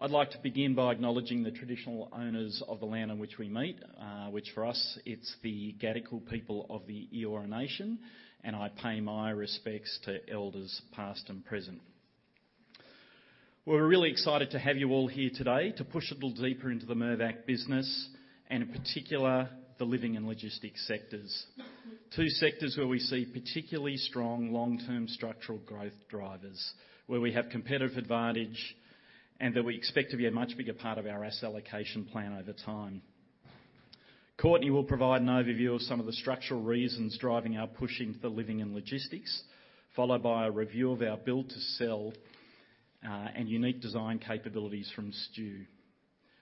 I'd like to begin by acknowledging the traditional owners of the land on which we meet, which for us, it's the Gadigal people of the Eora Nation, and I pay my respects to elders, past and present. We're really excited to have you all here today to push a little deeper into the Mirvac business, and in particular, the living and logistics sectors. Two sectors where we see particularly strong long-term structural growth drivers, where we have competitive advantage, and that we expect to be a much bigger part of our asset allocation plan over time. Courtenay will provide an overview of some of the structural reasons driving our push into the living and logistics, followed by a review of our build to sell and unique design capabilities from Stu.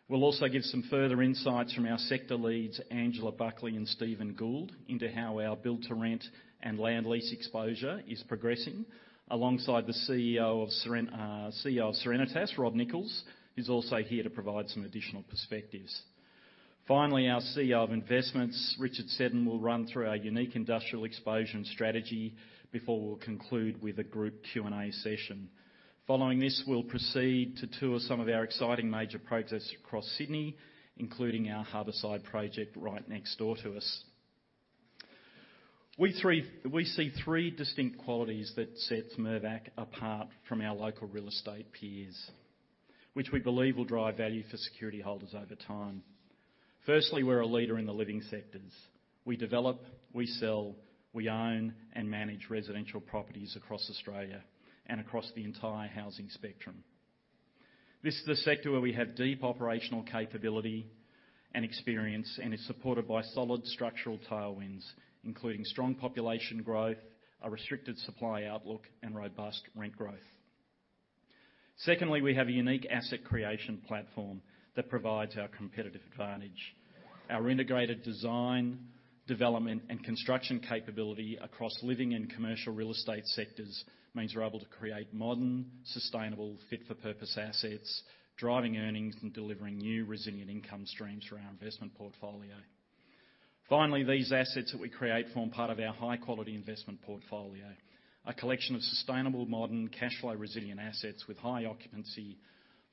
We'll also give some further insights from our sector leads, Angela Buckley and Stephen Gould, into how our build to rent and land lease exposure is progressing, alongside the CEO of Serenitas, Rob Nichols, who's also here to provide some additional perspectives. Finally, our CEO of Investments, Richard Seddon, will run through our unique industrial exposure and strategy before we'll conclude with a group Q&A session. Following this, we'll proceed to tour some of our exciting major projects across Sydney, including our Harbourside project right next door to us. We see three distinct qualities that sets Mirvac apart from our local real estate peers, which we believe will drive value for security holders over time. Firstly, we're a leader in the living sectors. We develop, we sell, we own, and manage residential properties across Australia and across the entire housing spectrum. This is the sector where we have deep operational capability and experience, and is supported by solid structural tailwinds, including strong population growth, a restricted supply outlook, and robust rent growth. Secondly, we have a unique asset creation platform that provides our competitive advantage. Our integrated design, development, and construction capability across living and commercial real estate sectors means we're able to create modern, sustainable, fit-for-purpose assets, driving earnings and delivering new resilient income streams for our investment portfolio. Finally, these assets that we create form part of our high-quality investment portfolio, a collection of sustainable, modern, cash flow resilient assets with high occupancy,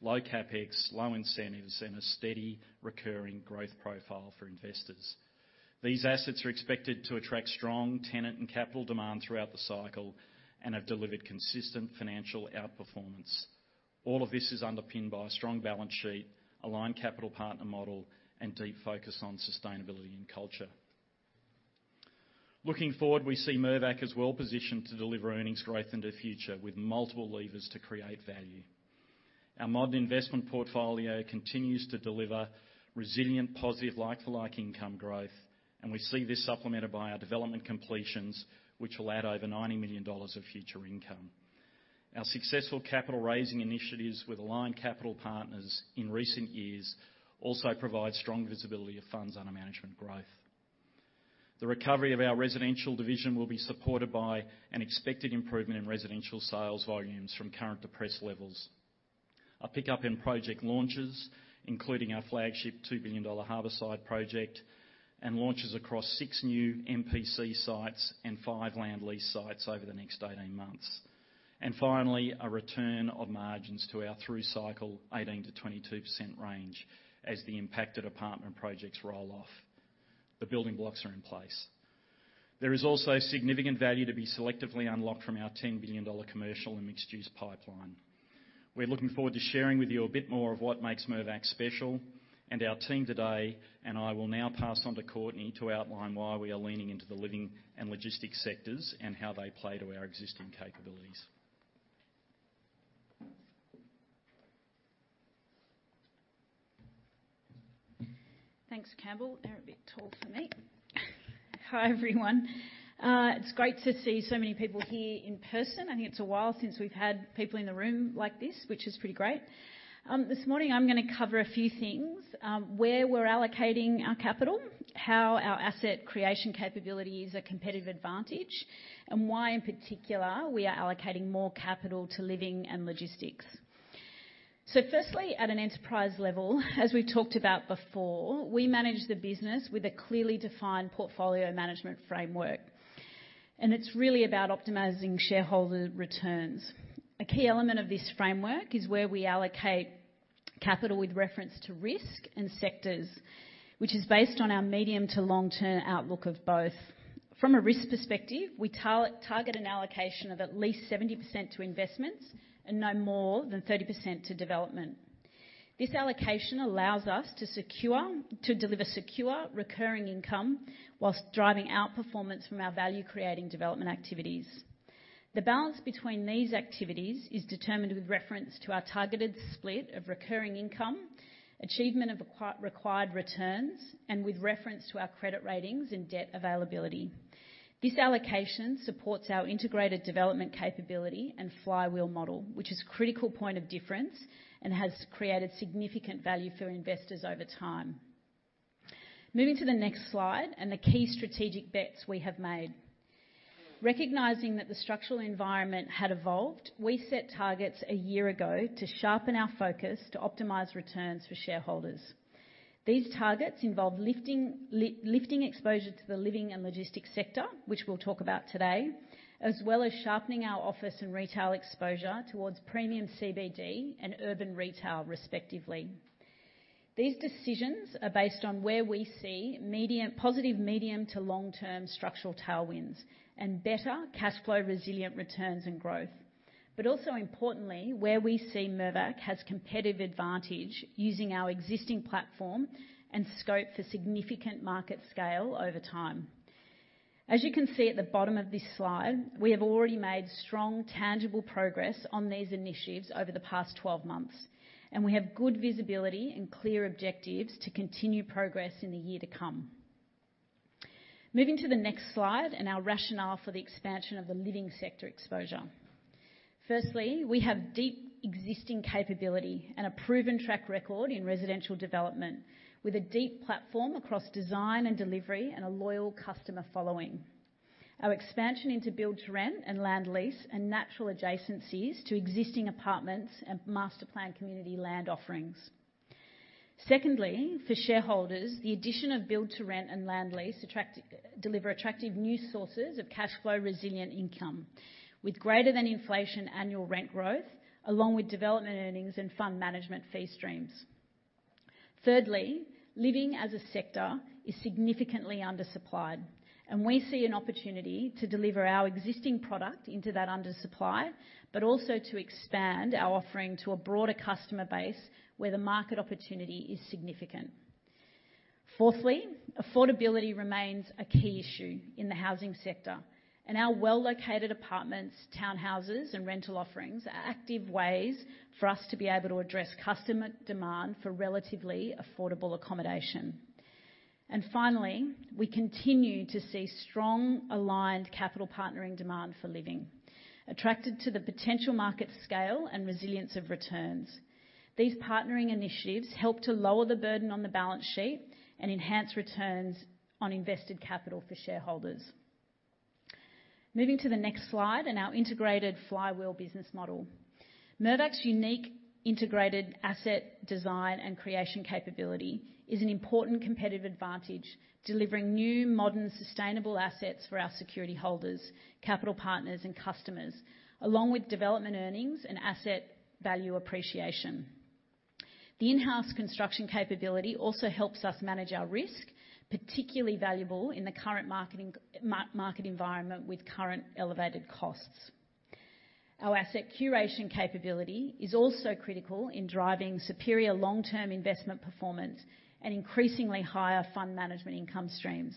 low CapEx, low incentives, and a steady recurring growth profile for investors. These assets are expected to attract strong tenant and capital demand throughout the cycle and have delivered consistent financial outperformance. All of this is underpinned by a strong balance sheet, aligned capital partner model, and deep focus on sustainability and culture. Looking forward, we see Mirvac as well-positioned to deliver earnings growth in the future with multiple levers to create value. Our modern investment portfolio continues to deliver resilient, positive, like-for-like income growth, and we see this supplemented by our development completions, which will add over 90 million dollars of future income. Our successful capital raising initiatives with aligned capital partners in recent years also provide strong visibility of funds under management growth. The recovery of our residential division will be supported by an expected improvement in residential sales volumes from current depressed levels. A pickup in project launches, including our flagship 2 billion dollar Harbourside project, and launches across 6 new MPC sites and 5 land lease sites over the next 18 months. And finally, a return of margins to our through-cycle 18%-22% range as the impacted apartment projects roll off. The building blocks are in place. There is also significant value to be selectively unlocked from our 10 billion dollar commercial and mixed-use pipeline. We're looking forward to sharing with you a bit more of what makes Mirvac special, and our team today, and I will now pass on to Courtney to outline why we are leaning into the living and logistics sectors and how they play to our existing capabilities. Thanks, Campbell. They're a bit tall for me. Hi, everyone. It's great to see so many people here in person. I think it's a while since we've had people in the room like this, which is pretty great. This morning, I'm gonna cover a few things: where we're allocating our capital, how our asset creation capability is a competitive advantage, and why, in particular, we are allocating more capital to living and logistics. So firstly, at an enterprise level, as we've talked about before, we manage the business with a clearly defined portfolio management framework, and it's really about optimizing shareholder returns. A key element of this framework is where we allocate capital with reference to risk and sectors, which is based on our medium to long-term outlook of both. From a risk perspective, we target an allocation of at least 70% to investments and no more than 30% to development. This allocation allows us to secure to deliver secure, recurring income whilst driving outperformance from our value-creating development activities. The balance between these activities is determined with reference to our targeted split of recurring income, achievement of required returns, and with reference to our credit ratings and debt availability. This allocation supports our integrated development capability and flywheel model, which is a critical point of difference and has created significant value for investors over time. Moving to the next slide and the key strategic bets we have made. Recognizing that the structural environment had evolved, we set targets a year ago to sharpen our focus to optimize returns for shareholders. These targets involve lifting exposure to the living and logistics sector, which we'll talk about today, as well as sharpening our office and retail exposure towards premium CBD and urban retail, respectively. These decisions are based on where we see positive medium to long-term structural tailwinds and better cash flow, resilient returns, and growth. But also importantly, where we see Mirvac has competitive advantage using our existing platform and scope for significant market scale over time. As you can see at the bottom of this slide, we have already made strong, tangible progress on these initiatives over the past twelve months, and we have good visibility and clear objectives to continue progress in the year to come. Moving to the next slide and our rationale for the expansion of the living sector exposure. Firstly, we have deep existing capability and a proven track record in residential development, with a deep platform across design and delivery and a loyal customer following. Our expansion into build-to-rent and land lease are natural adjacencies to existing apartments and master planned community land offerings. Secondly, for shareholders, the addition of build-to-rent and land lease attract, deliver attractive new sources of cash flow resilient income, with greater than inflation annual rent growth, along with development earnings and fund management fee streams. Thirdly, living as a sector is significantly undersupplied, and we see an opportunity to deliver our existing product into that undersupply, but also to expand our offering to a broader customer base where the market opportunity is significant. Fourthly, affordability remains a key issue in the housing sector, and our well-located apartments, townhouses, and rental offerings are active ways for us to be able to address customer demand for relatively affordable accommodation. And finally, we continue to see strong, aligned capital partnering demand for living, attracted to the potential market scale and resilience of returns. These partnering initiatives help to lower the burden on the balance sheet and enhance returns on invested capital for shareholders. Moving to the next slide in our integrated flywheel business model. Mirvac's unique integrated asset, design, and creation capability is an important competitive advantage, delivering new, modern, sustainable assets for our security holders, capital partners, and customers, along with development earnings and asset value appreciation. The in-house construction capability also helps us manage our risk, particularly valuable in the current market environment with current elevated costs. Our asset curation capability is also critical in driving superior long-term investment performance and increasingly higher fund management income streams.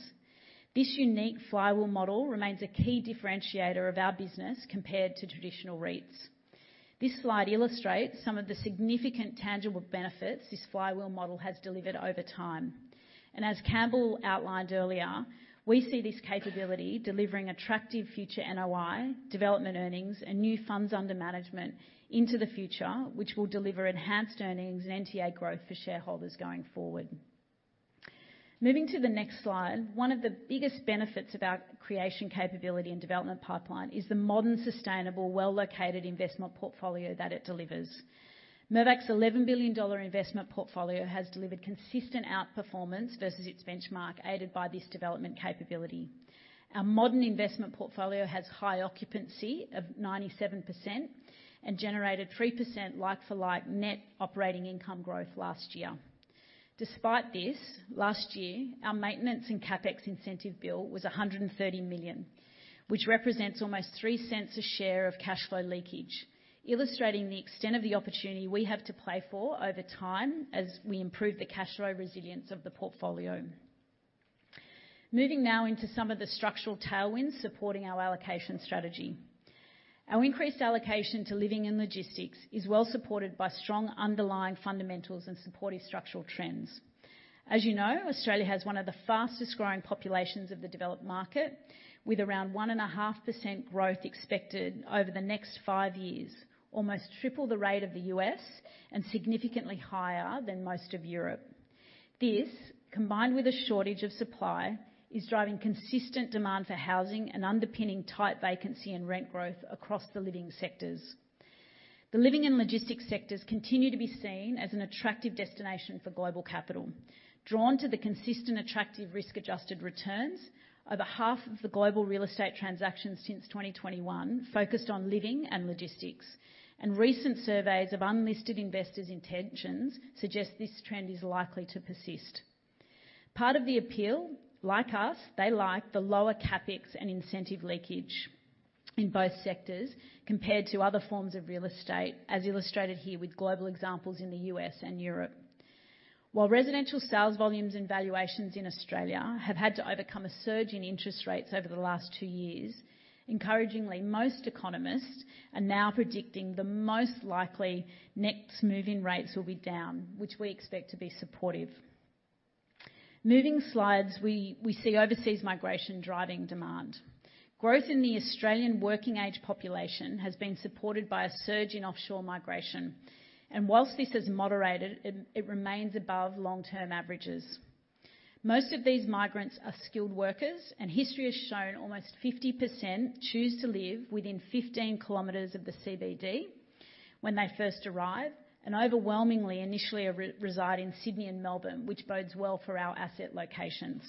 This unique flywheel model remains a key differentiator of our business compared to traditional REITs. This slide illustrates some of the significant tangible benefits this flywheel model has delivered over time. And as Campbell outlined earlier, we see this capability delivering attractive future NOI, development earnings, and new funds under management into the future, which will deliver enhanced earnings and NTA growth for shareholders going forward. Moving to the next slide. One of the biggest benefits of our curation, capability, and development pipeline is the modern, sustainable, well-located investment portfolio that it delivers. Mirvac's AUD 11 billion investment portfolio has delivered consistent outperformance versus its benchmark, aided by this development capability. Our modern investment portfolio has high occupancy of 97% and generated 3% like-for-like net operating income growth last year. Despite this, last year, our maintenance and CapEx incentive bill was 130 million, which represents almost 3 cents a share of cash flow leakage, illustrating the extent of the opportunity we have to play for over time as we improve the cash flow resilience of the portfolio. Moving now into some of the structural tailwinds supporting our allocation strategy. Our increased allocation to living and logistics is well supported by strong underlying fundamentals and supportive structural trends. As you know, Australia has one of the fastest growing populations of the developed market, with around 1.5% growth expected over the next five years, almost triple the rate of the U.S. and significantly higher than most of Europe. This, combined with a shortage of supply, is driving consistent demand for housing and underpinning tight vacancy and rent growth across the living sectors. The living and logistics sectors continue to be seen as an attractive destination for global capital, drawn to the consistent, attractive risk-adjusted returns. Over half of the global real estate transactions since 2021 focused on living and logistics, and recent surveys of unlisted investors' intentions suggest this trend is likely to persist. Part of the appeal, like us, they like the lower CapEx and incentive leakage in both sectors compared to other forms of real estate, as illustrated here with global examples in the U.S. and Europe. While residential sales volumes and valuations in Australia have had to overcome a surge in interest rates over the last two years, encouragingly, most economists are now predicting the most likely next move in rates will be down, which we expect to be supportive. Moving slides, we see overseas migration driving demand. Growth in the Australian working age population has been supported by a surge in offshore migration, and whilst this has moderated, it remains above long-term averages. Most of these migrants are skilled workers, and history has shown almost 50% choose to live within 15 kilometers of the CBD when they first arrive, and overwhelmingly initially reside in Sydney and Melbourne, which bodes well for our asset locations.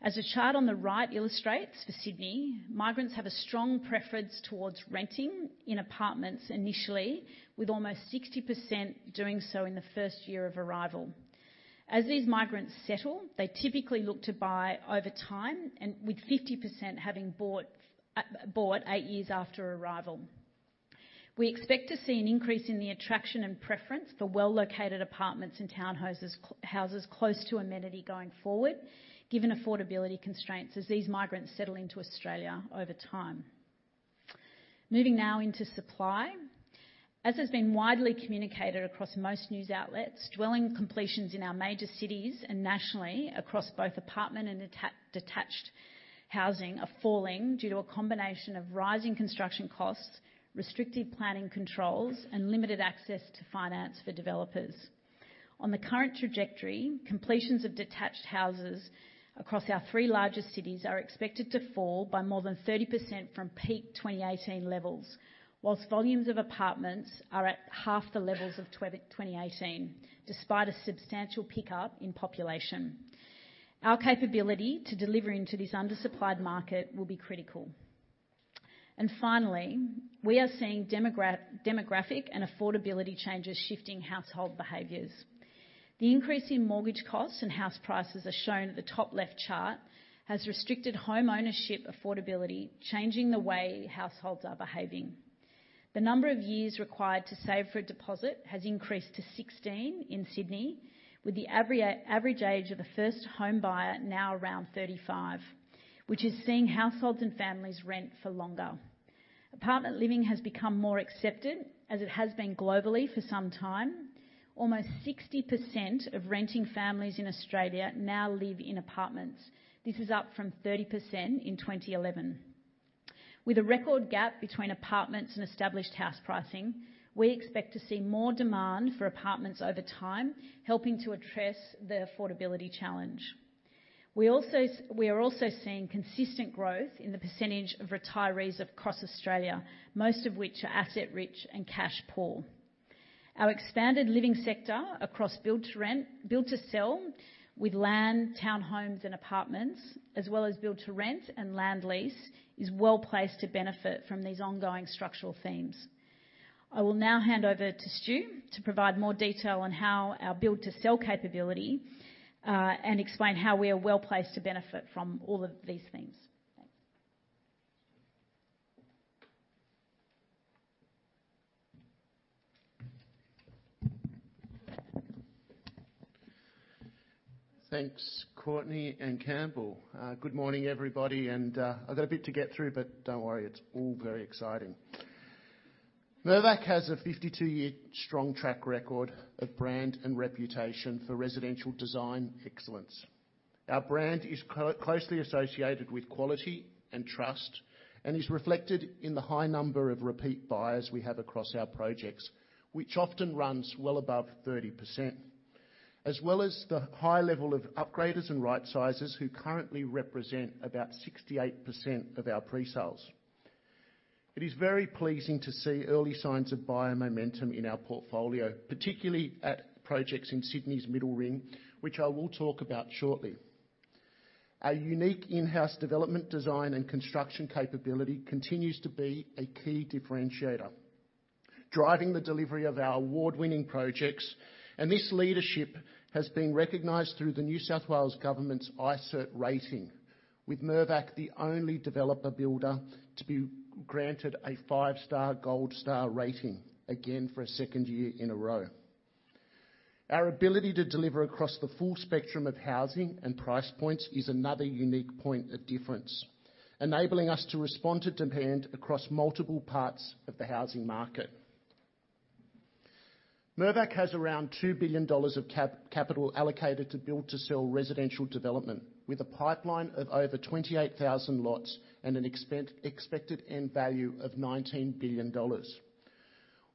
As the chart on the right illustrates, for Sydney, migrants have a strong preference towards renting in apartments initially, with almost 60% doing so in the first year of arrival. As these migrants settle, they typically look to buy over time, and with 50% having bought eight years after arrival. We expect to see an increase in the attraction and preference for well-located apartments and townhouses houses close to amenity going forward, given affordability constraints as these migrants settle into Australia over time. Moving now into supply. As has been widely communicated across most news outlets, dwelling completions in our major cities and nationally across both apartment and detached housing are falling due to a combination of rising construction costs, restrictive planning controls, and limited access to finance for developers. On the current trajectory, completions of detached houses across our three largest cities are expected to fall by more than 30% from peak 2018 levels, while volumes of apartments are at half the levels of 2020, 2018, despite a substantial pickup in population. Our capability to deliver into this undersupplied market will be critical. And finally, we are seeing demographic and affordability changes, shifting household behaviors. The increase in mortgage costs and house prices, as shown at the top left chart, has restricted homeownership affordability, changing the way households are behaving. The number of years required to save for a deposit has increased to 16 in Sydney, with the average age of a first homebuyer now around 35, which is seeing households and families rent for longer. Apartment living has become more accepted, as it has been globally for some time. Almost 60% of renting families in Australia now live in apartments. This is up from 30% in 2011. With a record gap between apartments and established house pricing, we expect to see more demand for apartments over time, helping to address the affordability challenge. We are also seeing consistent growth in the percentage of retirees across Australia, most of which are asset rich and cash poor. Our expanded living sector across build to rent, build to sell, with land, townhomes, and apartments, as well as build to rent and land lease, is well placed to benefit from these ongoing structural themes. I will now hand over to Stu to provide more detail on how our build-to-sell capability and explain how we are well placed to benefit from all of these themes. Thanks. Thanks, Courtney and Campbell. Good morning, everybody, and, I've got a bit to get through, but don't worry, it's all very exciting. Mirvac has a fifty-two-year strong track record of brand and reputation for residential design excellence. Our brand is closely associated with quality and trust and is reflected in the high number of repeat buyers we have across our projects, which often runs well above 30%, as well as the high level of upgraders and right-sizers, who currently represent about 68% of our pre-sales. It is very pleasing to see early signs of buyer momentum in our portfolio, particularly at projects in Sydney's middle ring, which I will talk about shortly. Our unique in-house development, design, and construction capability continues to be a key differentiator, driving the delivery of our award-winning projects, and this leadership has been recognized through the New South Wales Government's iCIRT rating, with Mirvac, the only developer builder to be granted a five-star Gold Star rating, again, for a second year in a row. Our ability to deliver across the full spectrum of housing and price points is another unique point of difference, enabling us to respond to demand across multiple parts of the housing market. Mirvac has around 2 billion dollars of capital allocated to build to sell residential development, with a pipeline of over 28,000 lots and an expected end value of 19 billion dollars.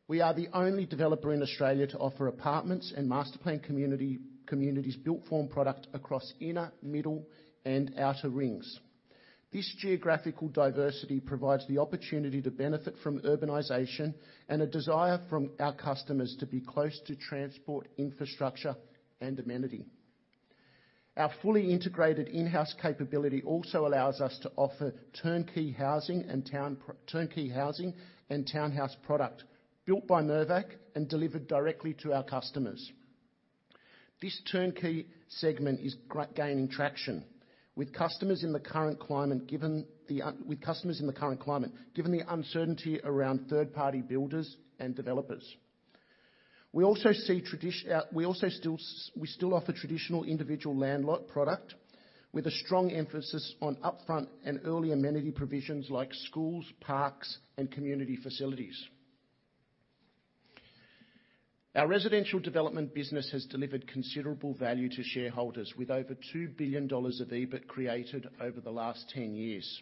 We are the only developer in Australia to offer apartments and master plan community, communities built form product across inner, middle, and outer rings. This geographical diversity provides the opportunity to benefit from urbanization and a desire from our customers to be close to transport, infrastructure, and amenity. Our fully integrated in-house capability also allows us to offer turnkey housing and townhouse product built by Mirvac and delivered directly to our customers. This turnkey segment is gaining traction with customers in the current climate, given the uncertainty around third-party builders and developers. We also still offer traditional individual land lot product with a strong emphasis on upfront and early amenity provisions like schools, parks, and community facilities. Our residential development business has delivered considerable value to shareholders with over 2 billion dollars of EBIT created over the last 10 years...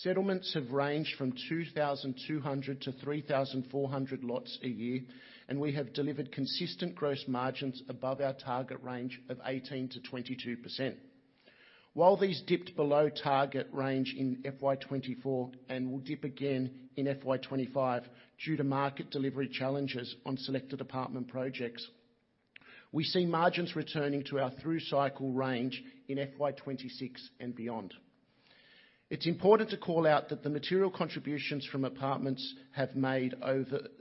Settlements have ranged from 2,200 to 3,400 lots a year, and we have delivered consistent gross margins above our target range of 18%-22%. While these dipped below target range in FY 2024 and will dip again in FY 2025 due to market delivery challenges on selected apartment projects, we see margins returning to our through cycle range in FY 2026 and beyond. It's important to call out that the material contributions from apartments have made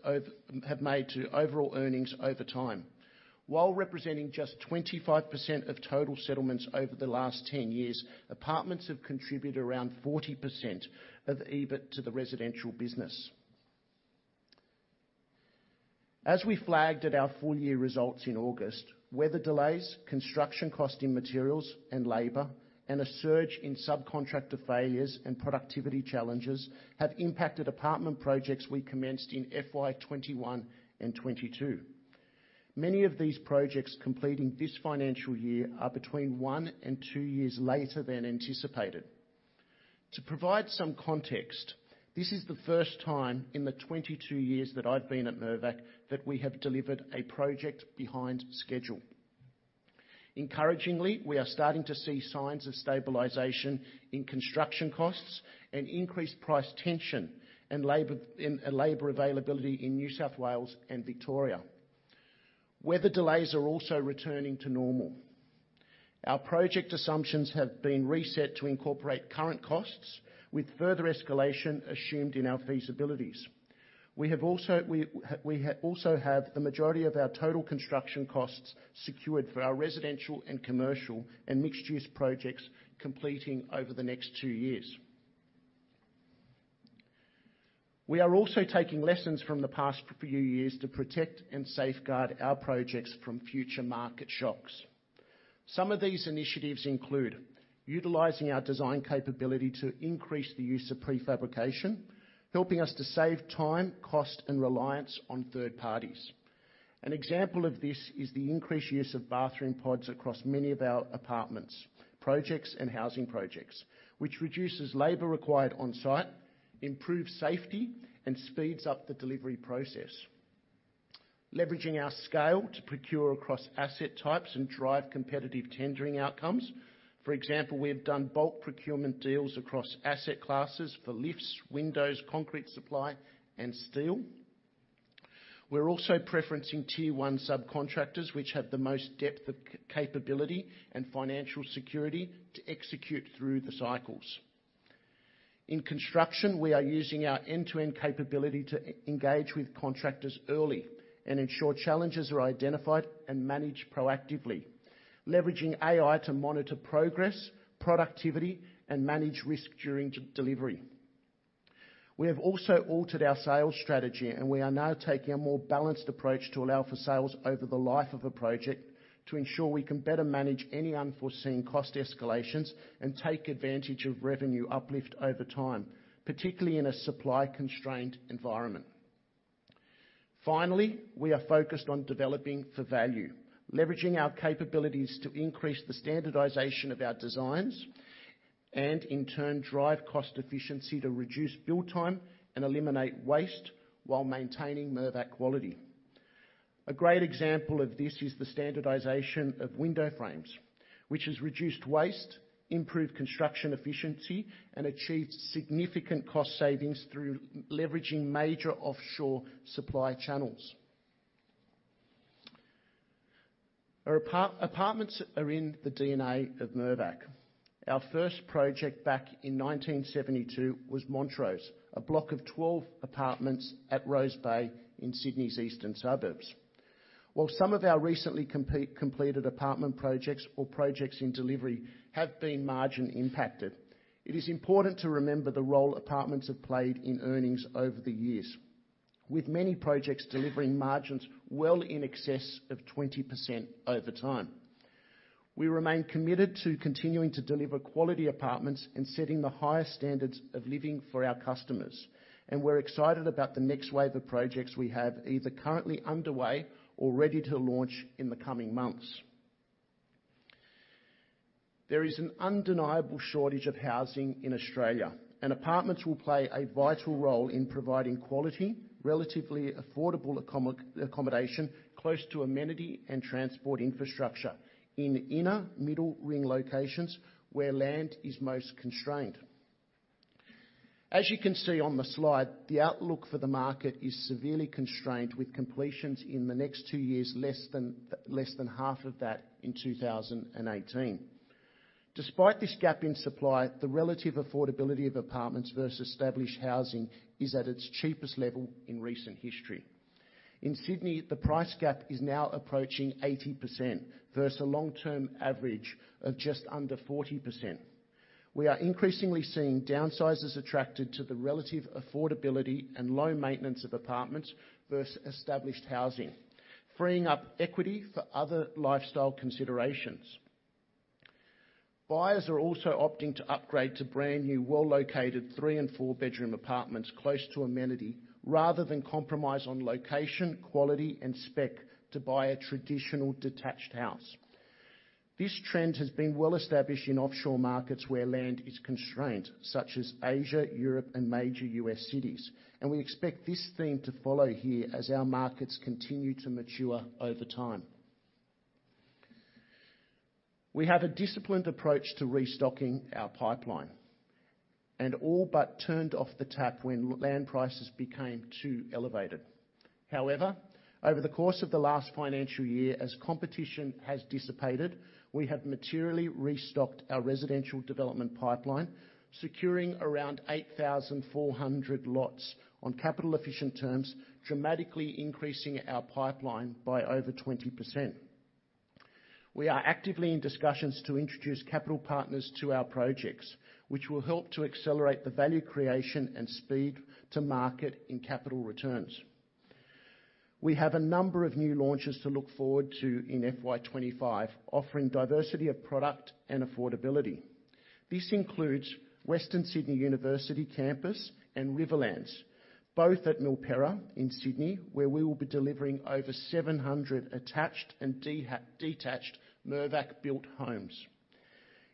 to overall earnings over time. While representing just 25% of total settlements over the last ten years, apartments have contributed around 40% of EBIT to the residential business. As we flagged at our full year results in August, weather delays, construction cost in materials and labor, and a surge in subcontractor failures and productivity challenges have impacted apartment projects we commenced in FY21 and FY22. Many of these projects completing this financial year are between one and two years later than anticipated. To provide some context, this is the first time in the 22 years that I've been at Mirvac that we have delivered a project behind schedule. Encouragingly, we are starting to see signs of stabilization in construction costs and increased price tension and labor availability in New South Wales and Victoria. Weather delays are also returning to normal. Our project assumptions have been reset to incorporate current costs, with further escalation assumed in our feasibilities. We have also... We also have the majority of our total construction costs secured for our residential and commercial, and mixed-use projects completing over the next two years. We are also taking lessons from the past few years to protect and safeguard our projects from future market shocks. Some of these initiatives include: utilizing our design capability to increase the use of prefabrication, helping us to save time, cost, and reliance on third parties. An example of this is the increased use of bathroom pods across many of our apartments, projects, and housing projects, which reduces labor required on site, improves safety, and speeds up the delivery process. Leveraging our scale to procure across asset types and drive competitive tendering outcomes. For example, we have done bulk procurement deals across asset classes for lifts, windows, concrete supply, and steel. We're also preferencing tier one subcontractors, which have the most depth of capability and financial security to execute through the cycles. In construction, we are using our end-to-end capability to engage with contractors early and ensure challenges are identified and managed proactively, leveraging AI to monitor progress, productivity, and manage risk during delivery. We have also altered our sales strategy, and we are now taking a more balanced approach to allow for sales over the life of a project, to ensure we can better manage any unforeseen cost escalations and take advantage of revenue uplift over time, particularly in a supply-constrained environment. Finally, we are focused on developing for value, leveraging our capabilities to increase the standardization of our designs, and in turn, drive cost efficiency to reduce build time and eliminate waste while maintaining Mirvac quality. A great example of this is the standardization of window frames, which has reduced waste, improved construction efficiency, and achieved significant cost savings through leveraging major offshore supply channels. Our apartments are in the DNA of Mirvac. Our first project back in 1972 was Montrose, a block of 12 apartments at Rose Bay in Sydney's eastern suburbs. While some of our recently completed apartment projects or projects in delivery have been margin impacted, it is important to remember the role apartments have played in earnings over the years, with many projects delivering margins well in excess of 20% over time. We remain committed to continuing to deliver quality apartments and setting the highest standards of living for our customers, and we're excited about the next wave of projects we have, either currently underway or ready to launch in the coming months. There is an undeniable shortage of housing in Australia, and apartments will play a vital role in providing quality, relatively affordable accommodation, close to amenity and transport infrastructure in inner middle ring locations where land is most constrained. As you can see on the slide, the outlook for the market is severely constrained, with completions in the next two years less than half of that in 2018. Despite this gap in supply, the relative affordability of apartments versus established housing is at its cheapest level in recent history. In Sydney, the price gap is now approaching 80%, versus a long-term average of just under 40%. We are increasingly seeing downsizers attracted to the relative affordability and low maintenance of apartments versus established housing, freeing up equity for other lifestyle considerations. Buyers are also opting to upgrade to brand-new, well-located three and four-bedroom apartments close to amenity, rather than compromise on location, quality, and spec to buy a traditional detached house. This trend has been well established in offshore markets where land is constrained, such as Asia, Europe, and major U.S. cities, and we expect this theme to follow here as our markets continue to mature over time. We have a disciplined approach to restocking our pipeline, and all but turned off the tap when land prices became too elevated. However, over the course of the last financial year, as competition has dissipated, we have materially restocked our residential development pipeline, securing around 8,400 lots on capital-efficient terms, dramatically increasing our pipeline by over 20%. We are actively in discussions to introduce capital partners to our projects, which will help to accelerate the value creation and speed to market in capital returns. We have a number of new launches to look forward to in FY twenty-five, offering diversity of product and affordability. This includes Western Sydney University Project and Riverlands, both at Milperra in Sydney, where we will be delivering over seven hundred attached and detached Mirvac-built homes.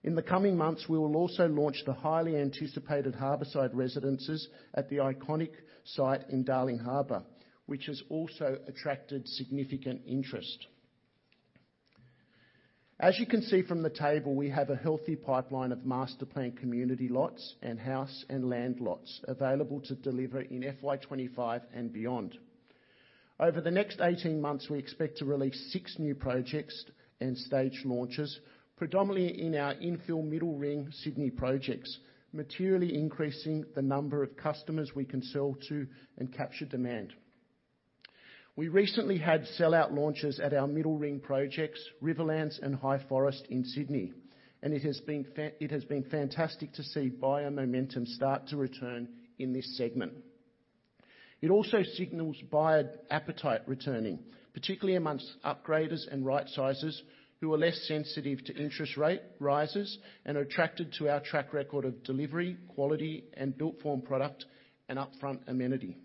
In the coming months, we will also launch the highly anticipated Harbourside residences at the iconic site in Darling Harbour, which has also attracted significant interest. As you can see from the table, we have a healthy pipeline of Master Planned Community lots and house and land lots available to deliver in FY twenty-five and beyond. Over the next eighteen months, we expect to release six new projects and stage launches, predominantly in our infill Middle Ring Sydney projects, materially increasing the number of customers we can sell to and capture demand. We recently had sell-out launches at our Middle Ring projects, Riverlands and High Forest in Sydney, and it has been fantastic to see buyer momentum start to return in this segment. It also signals buyer appetite returning, particularly amongst upgraders and right-sizers, who are less sensitive to interest rate rises and are attracted to our track record of delivery, quality, and built-form product and upfront amenity.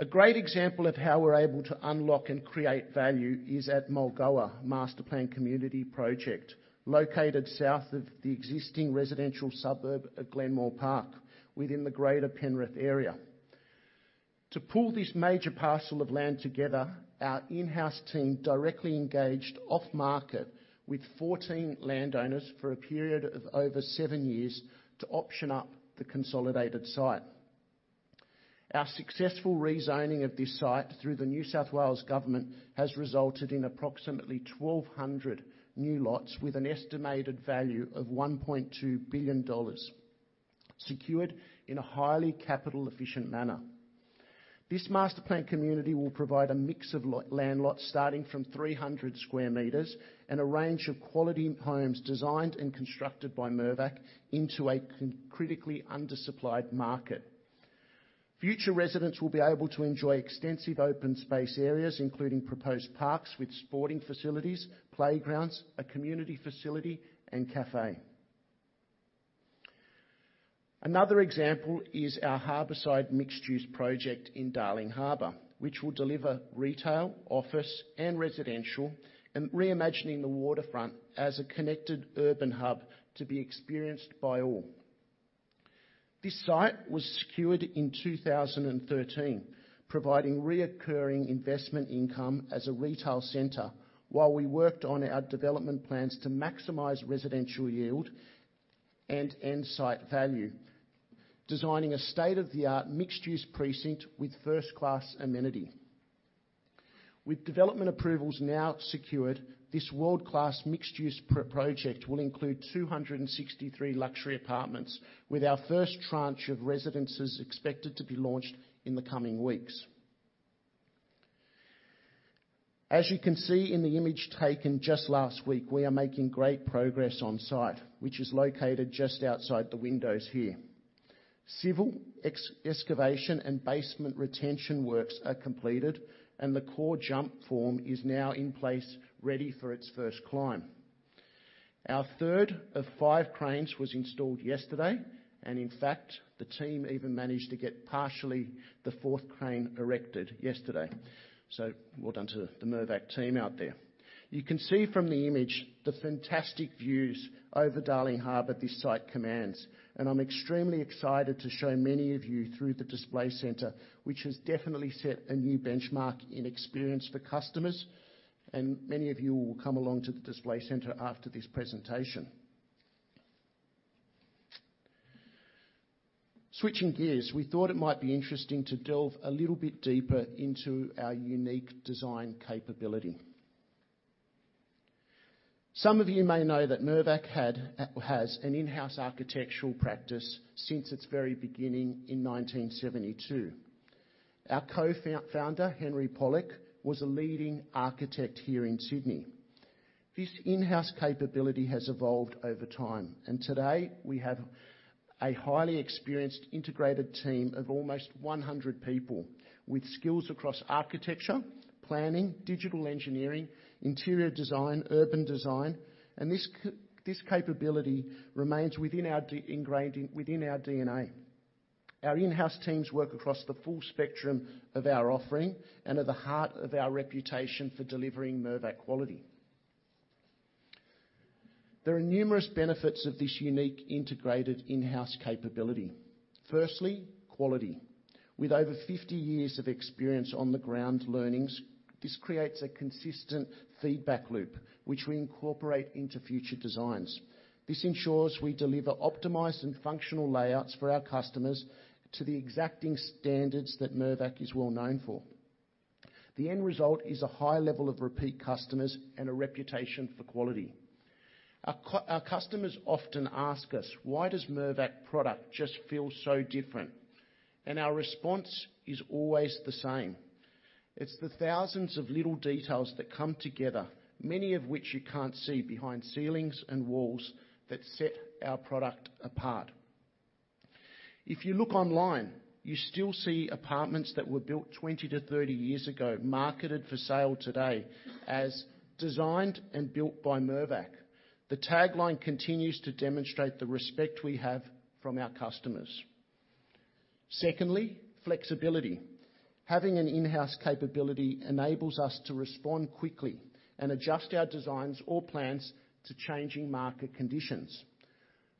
A great example of how we're able to unlock and create value is at Mulgoa Master Planned Community project, located south of the existing residential suburb of Glenmore Park, within the greater Penrith area. To pull this major parcel of land together, our in-house team directly engaged off-market with 14 landowners for a period of over 7 years to option up the consolidated site. Our successful rezoning of this site through the New South Wales government has resulted in approximately 1,200 new lots with an estimated value of 1.2 billion dollars, secured in a highly capital-efficient manner. This master planned community will provide a mix of low land lots, starting from 300 square meters, and a range of quality homes designed and constructed by Mirvac into a critically undersupplied market. Future residents will be able to enjoy extensive open space areas, including proposed parks with sporting facilities, playgrounds, a community facility, and café. Another example is our Harbourside mixed-use project in Darling Harbour, which will deliver retail, office, and residential, and reimagining the waterfront as a connected urban hub to be experienced by all. This site was secured in 2013, providing recurring investment income as a retail center while we worked on our development plans to maximize residential yield and end site value, designing a state-of-the-art mixed-use precinct with first-class amenity. With development approvals now secured, this world-class mixed-use project will include 263 luxury apartments, with our first tranche of residences expected to be launched in the coming weeks. As you can see in the image taken just last week, we are making great progress on site, which is located just outside the windows here. Civil excavation and basement retention works are completed, and the core jump form is now in place, ready for its first climb. Our third of five cranes was installed yesterday, and in fact, the team even managed to get partially the fourth crane erected yesterday. So well done to the Mirvac team out there. You can see from the image the fantastic views over Darling Harbour this site commands, and I'm extremely excited to show many of you through the display center, which has definitely set a new benchmark in experience for customers, and many of you will come along to the display center after this presentation. Switching gears, we thought it might be interesting to delve a little bit deeper into our unique design capability. Some of you may know that Mirvac had, has an in-house architectural practice since its very beginning in nineteen seventy-two. Our co-founder, Henry Pollack, was a leading architect here in Sydney. This in-house capability has evolved over time, and today, we have a highly experienced, integrated team of almost one hundred people with skills across architecture, planning, digital engineering, interior design, urban design, and this capability remains ingrained within our DNA. Our in-house teams work across the full spectrum of our offering and are the heart of our reputation for delivering Mirvac quality. There are numerous benefits of this unique, integrated in-house capability. Firstly, quality. With over fifty years of experience on-the-ground learnings, this creates a consistent feedback loop, which we incorporate into future designs. This ensures we deliver optimized and functional layouts for our customers to the exacting standards that Mirvac is well known for. The end result is a high level of repeat customers and a reputation for quality. Our customers often ask us: Why does Mirvac product just feel so different? And our response is always the same: It's the thousands of little details that come together, many of which you can't see behind ceilings and walls, that set our product apart. If you look online, you still see apartments that were built twenty to thirty years ago, marketed for sale today as designed and built by Mirvac. The tagline continues to demonstrate the respect we have from our customers. Secondly, flexibility. Having an in-house capability enables us to respond quickly and adjust our designs or plans to changing market conditions.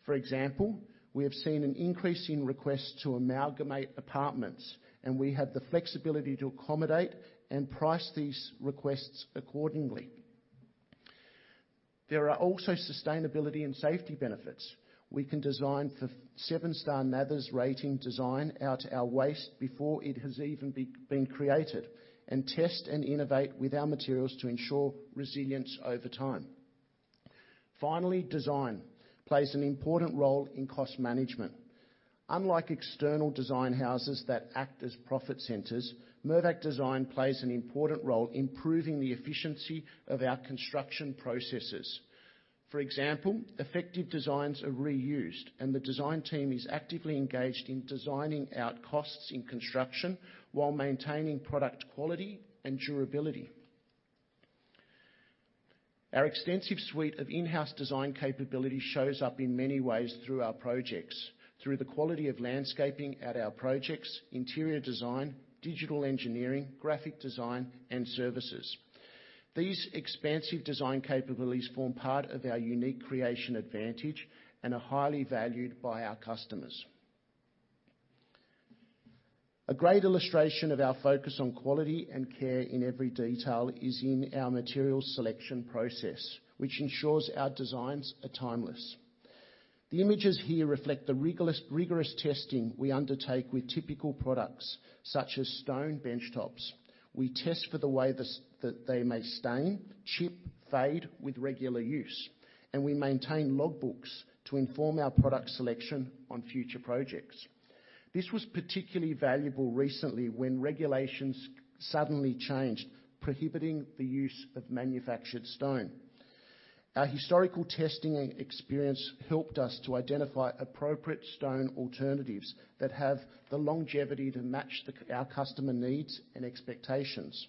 For example, we have seen an increase in requests to amalgamate apartments, and we have the flexibility to accommodate and price these requests accordingly. There are also sustainability and safety benefits. We can design for seven-star NABERS rating, design out our waste before it has even been created and test and innovate with our materials to ensure resilience over time. Finally, design plays an important role in cost management. Unlike external design houses that act as profit centers, Mirvac Design plays an important role improving the efficiency of our construction processes. For example, effective designs are reused, and the design team is actively engaged in designing out costs in construction while maintaining product quality and durability. Our extensive suite of in-house design capability shows up in many ways through our projects, through the quality of landscaping at our projects, interior design, digital engineering, graphic design, and services. These expansive design capabilities form part of our unique creation advantage and are highly valued by our customers. A great illustration of our focus on quality and care in every detail is in our material selection process, which ensures our designs are timeless. The images here reflect the rigorous testing we undertake with typical products, such as stone benchtops. We test for the way that they may stain, chip, fade with regular use, and we maintain logbooks to inform our product selection on future projects. This was particularly valuable recently when regulations suddenly changed, prohibiting the use of manufactured stone. Our historical testing and experience helped us to identify appropriate stone alternatives that have the longevity to match our customer needs and expectations.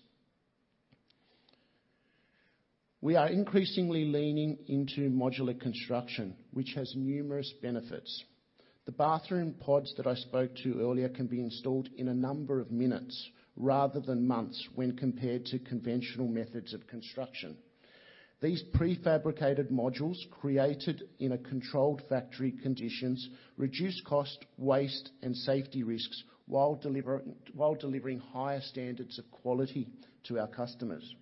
We are increasingly leaning into modular construction, which has numerous benefits. The bathroom pods that I spoke to earlier can be installed in a number of minutes rather than months when compared to conventional methods of construction. These prefabricated modules, created in a controlled factory conditions, reduce cost, waste, and safety risks, while delivering higher standards of quality to our customers.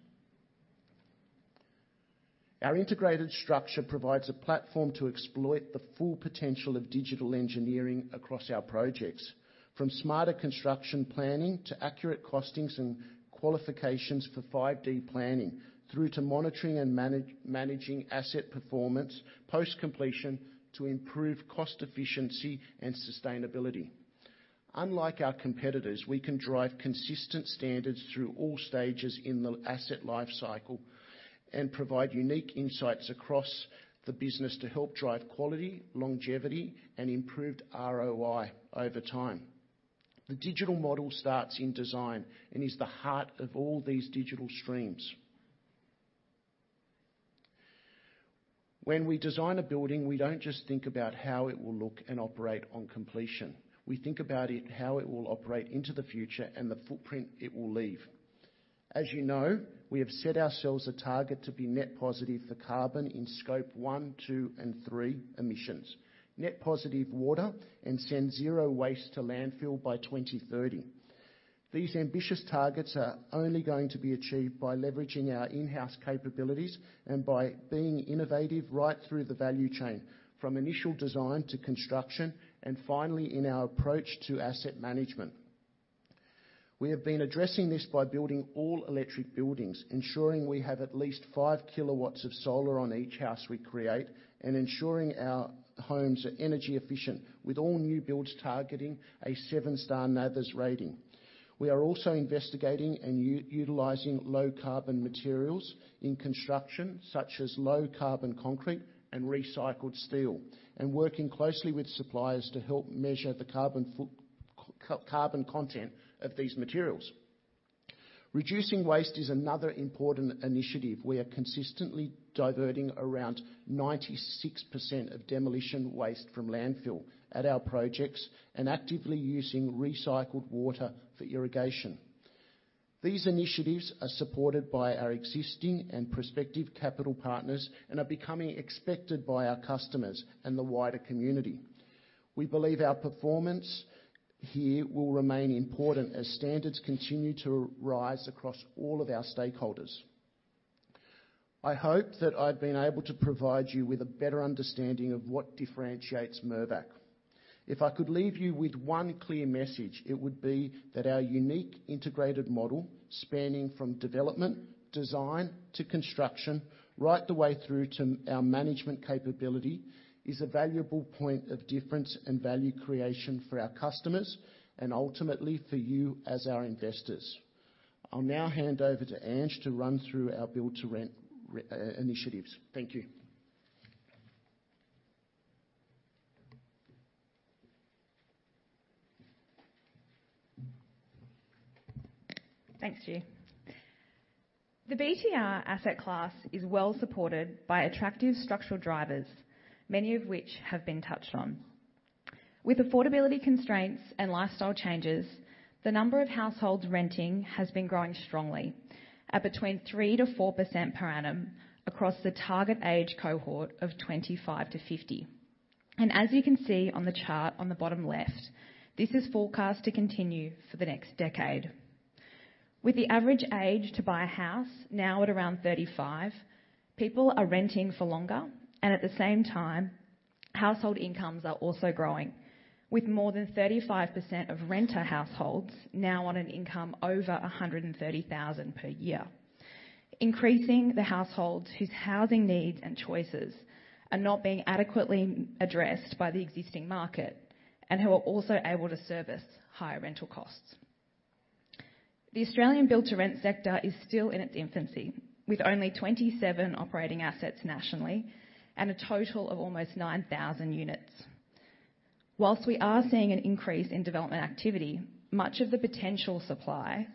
Our integrated structure provides a platform to exploit the full potential of digital engineering across our projects, from smarter construction planning to accurate costings and qualifications for 5D planning, through to monitoring and managing asset performance, post-completion to improve cost efficiency and sustainability. Unlike our competitors, we can drive consistent standards through all stages in the asset life cycle and provide unique insights across the business to help drive quality, longevity, and improved ROI over time. The digital model starts in design and is the heart of all these digital streams. When we design a building, we don't just think about how it will look and operate on completion. We think about it, how it will operate into the future and the footprint it will leave. As you know, we have set ourselves a target to be net positive for carbon in Scope 1, 2, and 3 emissions, net positive water, and send zero waste to landfill by 2030. These ambitious targets are only going to be achieved by leveraging our in-house capabilities and by being innovative right through the value chain, from initial design to construction, and finally, in our approach to asset management. We have been addressing this by building all-electric buildings, ensuring we have at least five kilowatts of solar on each house we create, and ensuring our homes are energy efficient, with all new builds targeting a seven-star NABERS rating. We are also investigating and utilizing low-carbon materials in construction, such as low-carbon concrete and recycled steel, and working closely with suppliers to help measure the carbon content of these materials. Reducing waste is another important initiative. We are consistently diverting around 96% of demolition waste from landfill at our projects and actively using recycled water for irrigation. These initiatives are supported by our existing and prospective capital partners and are becoming expected by our customers and the wider community. We believe our performance here will remain important as standards continue to rise across all of our stakeholders. I hope that I've been able to provide you with a better understanding of what differentiates Mirvac. If I could leave you with one clear message, it would be that our unique integrated model, spanning from development, design to construction, right the way through to our management capability, is a valuable point of difference and value creation for our customers and ultimately for you as our investors. I'll now hand over to Ange to run through our build-to-rent initiatives. Thank you. Thanks, Stu. The BTR asset class is well supported by attractive structural drivers, many of which have been touched on. With affordability constraints and lifestyle changes, the number of households renting has been growing strongly at between 3-4% per annum across the target age cohort of 25-50, and as you can see on the chart on the bottom left, this is forecast to continue for the next decade. With the average age to buy a house now at around 35, people are renting for longer, and at the same time, household incomes are also growing, with more than 35% of renter households now on an income over 130,000 per year, increasing the households whose housing needs and choices are not being adequately addressed by the existing market and who are also able to service higher rental costs. The Australian build-to-rent sector is still in its infancy, with only 27 operating assets nationally and a total of almost 9,000 units. While we are seeing an increase in development activity, much of the potential supply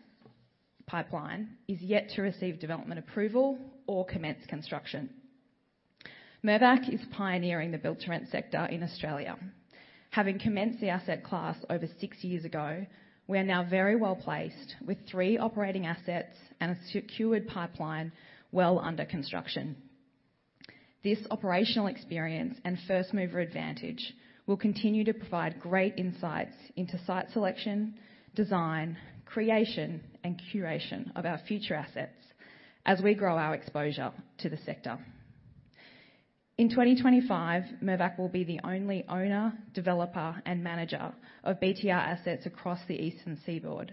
pipeline is yet to receive development approval or commence construction. Mirvac is pioneering the build-to-rent sector in Australia. Having commenced the asset class over six years ago, we are now very well placed with three operating assets and a secured pipeline well under construction. This operational experience and first mover advantage will continue to provide great insights into site selection, design, creation, and curation of our future assets as we grow our exposure to the sector. In 2025, Mirvac will be the only owner, developer, and manager of BTR assets across the eastern seaboard,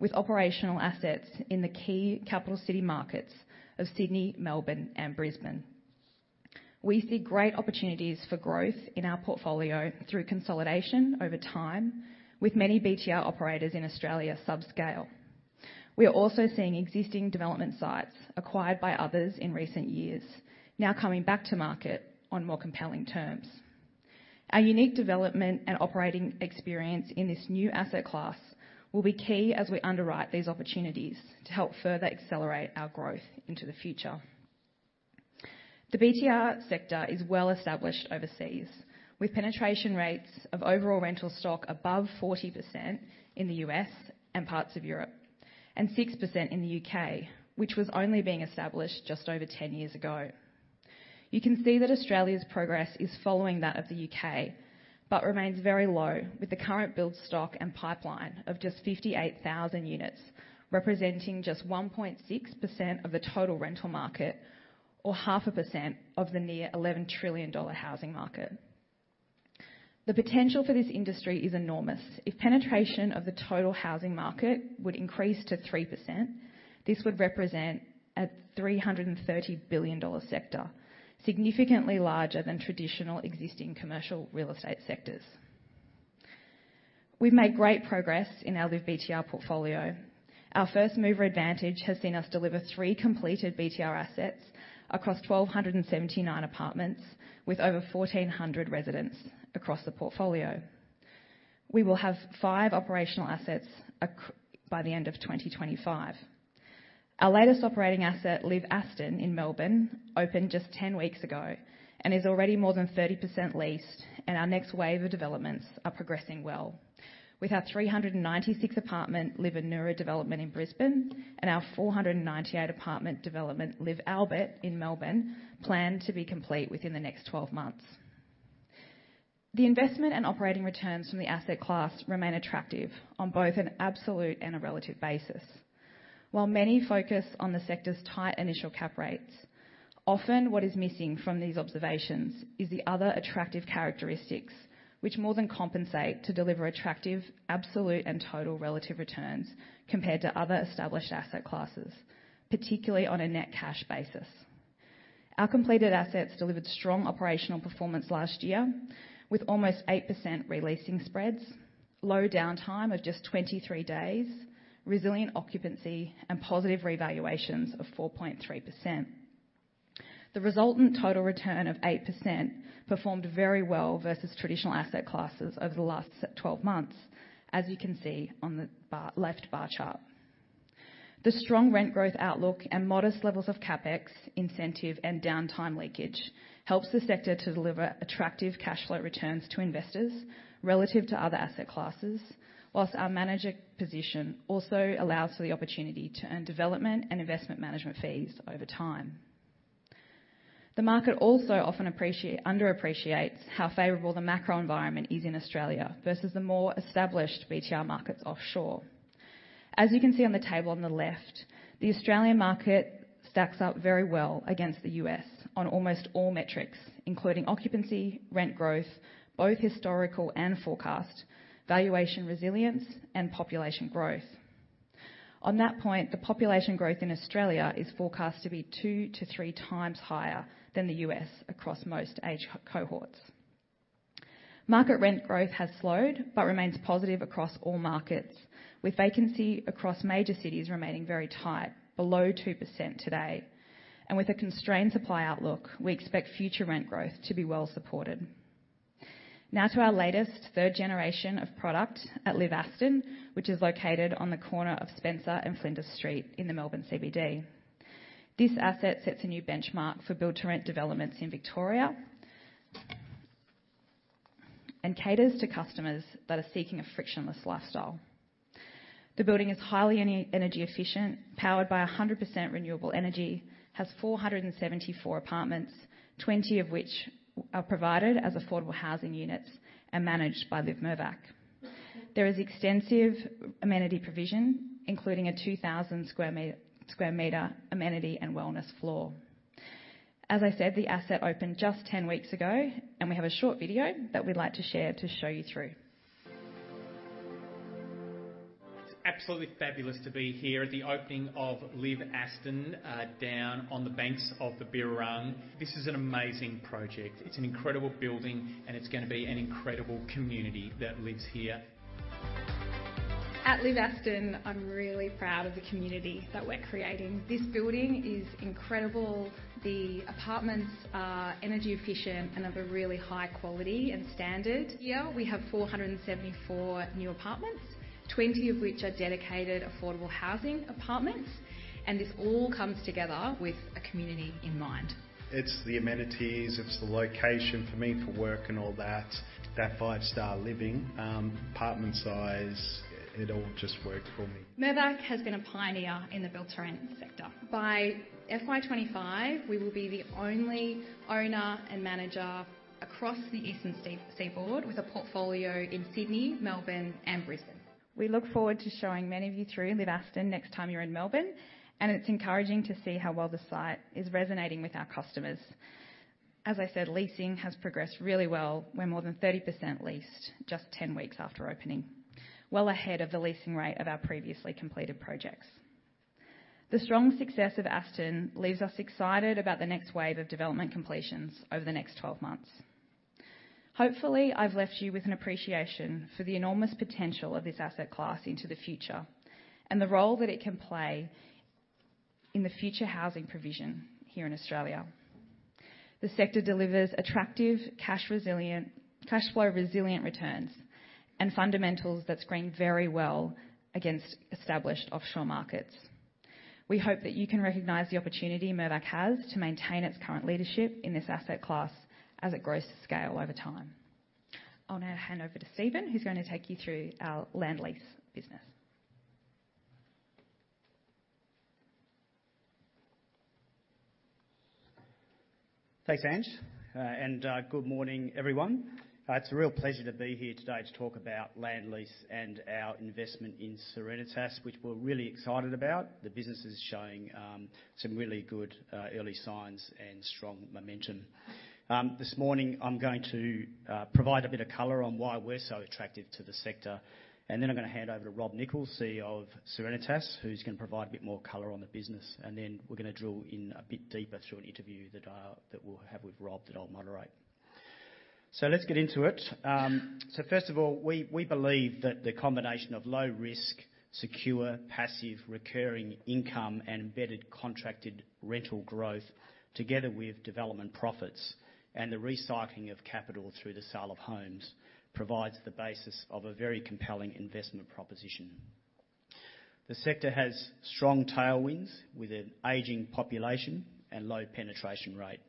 with operational assets in the key capital city markets of Sydney, Melbourne, and Brisbane. We see great opportunities for growth in our portfolio through consolidation over time, with many BTR operators in Australia subscale. We are also seeing existing development sites acquired by others in recent years now coming back to market on more compelling terms. Our unique development and operating experience in this new asset class will be key as we underwrite these opportunities to help further accelerate our growth into the future. The BTR sector is well established overseas, with penetration rates of overall rental stock above 40% in the U.S. and parts of Europe, and 6% in the U.K., which was only being established just over 10 years ago. You can see that Australia's progress is following that of the U.K., but remains very low, with the current build stock and pipeline of just 58,000 units, representing just 1.6% of the total rental market or 0.5% of the near 11 trillion dollar housing market. The potential for this industry is enormous. If penetration of the total housing market would increase to 3%, this would represent a 330 billion dollar sector, significantly larger than traditional existing commercial real estate sectors. We've made great progress in our LIV BTR portfolio. Our first mover advantage has seen us deliver 3 completed BTR assets across 1,279 apartments, with over 1,400 residents across the portfolio. We will have five operational assets by the end of 2025. Our latest operating asset, LIV Aston in Melbourne, opened just ten weeks ago and is already more than 30% leased, and our next wave of developments are progressing well. With our 396-apartment LIV Anura development in Brisbane and our 498-apartment development, LIV Albert in Melbourne, planned to be complete within the next 12 months. The investment and operating returns from the asset class remain attractive on both an absolute and a relative basis. While many focus on the sector's tight initial cap rates, often what is missing from these observations is the other attractive characteristics, which more than compensate to deliver attractive, absolute, and total relative returns compared to other established asset classes, particularly on a net cash basis. Our completed assets delivered strong operational performance last year, with almost 8% re-leasing spreads, low downtime of just 23 days, resilient occupancy, and positive revaluations of 4.3%. The resultant total return of 8% performed very well versus traditional asset classes over the last 12 months, as you can see on the bar left bar chart. The strong rent growth outlook and modest levels of CapEx, incentive, and downtime leakage helps the sector to deliver attractive cash flow returns to investors relative to other asset classes, while our manager position also allows for the opportunity to earn development and investment management fees over time. The market also often underappreciates how favorable the macro environment is in Australia versus the more established BTR markets offshore. As you can see on the table on the left, the Australian market stacks up very well against the U.S. on almost all metrics, including occupancy, rent growth, both historical and forecast, valuation resilience, and population growth. On that point, the population growth in Australia is forecast to be 2-3 times higher than the U.S. across most age cohorts. Market rent growth has slowed but remains positive across all markets, with vacancy across major cities remaining very tight, below 2% today. With a constrained supply outlook, we expect future rent growth to be well supported. Now to our latest third generation of product at Liv Aston, which is located on the corner of Spencer Street and Flinders Street in the Melbourne CBD. This asset sets a new benchmark for build-to-rent developments in Victoria and caters to customers that are seeking a frictionless lifestyle. The building is highly energy efficient, powered by 100% renewable energy, has 474 apartments, 20 of which are provided as affordable housing units and managed by LIV Mirvac. There is extensive amenity provision, including a 2,000 sq m amenity and wellness floor. As I said, the asset opened just 10 weeks ago, and we have a short video that we'd like to share to show you through. It's absolutely fabulous to be here at the opening of Liv Aston, down on the banks of the Birrarung. This is an amazing project. It's an incredible building, and it's going to be an incredible community that lives here. At Liv Aston, I'm really proud of the community that we're creating. This building is incredible. The apartments are energy efficient and of a really high quality and standard. Here, we have 474 new apartments, 20 of which are dedicated affordable housing apartments, and this all comes together with a community in mind. It's the amenities, it's the location for me for work and all that. That five-star living, apartment size, it all just worked for me. Mirvac has been a pioneer in the build-to-rent sector. By FY25, we will be the only owner and manager across the eastern seaboard, with a portfolio in Sydney, Melbourne, and Brisbane. We look forward to showing many of you through Liv Aston next time you're in Melbourne, and it's encouraging to see how well the site is resonating with our customers. As I said, leasing has progressed really well. We're more than 30% leased just 10 weeks after opening, well ahead of the leasing rate of our previously completed projects. The strong success of Aston leaves us excited about the next wave of development completions over the next 12 months. Hopefully, I've left you with an appreciation for the enormous potential of this asset class into the future and the role that it can play in the future housing provision here in Australia. The sector delivers attractive, cashflow resilient returns and fundamentals that screen very well against established offshore markets. We hope that you can recognize the opportunity Mirvac has to maintain its current leadership in this asset class as it grows to scale over time. I'll now hand over to Stephen, who's going to take you through our land lease business. Thanks, Ange, and good morning, everyone. It's a real pleasure to be here today to talk about land lease and our investment in Serenitas, which we're really excited about. The business is showing some really good early signs and strong momentum. This morning, I'm going to provide a bit of color on why we're so attracted to the sector, and then I'm gonna hand over to Rob Nichols, CEO of Serenitas, who's gonna provide a bit more color on the business. And then we're gonna drill in a bit deeper through an interview that we'll have with Rob, that I'll moderate. So let's get into it. So first of all, we believe that the combination of low risk, secure, passive, recurring income and embedded contracted rental growth, together with development profits and the recycling of capital through the sale of homes, provides the basis of a very compelling investment proposition. The sector has strong tailwinds, with an aging population and low penetration rate.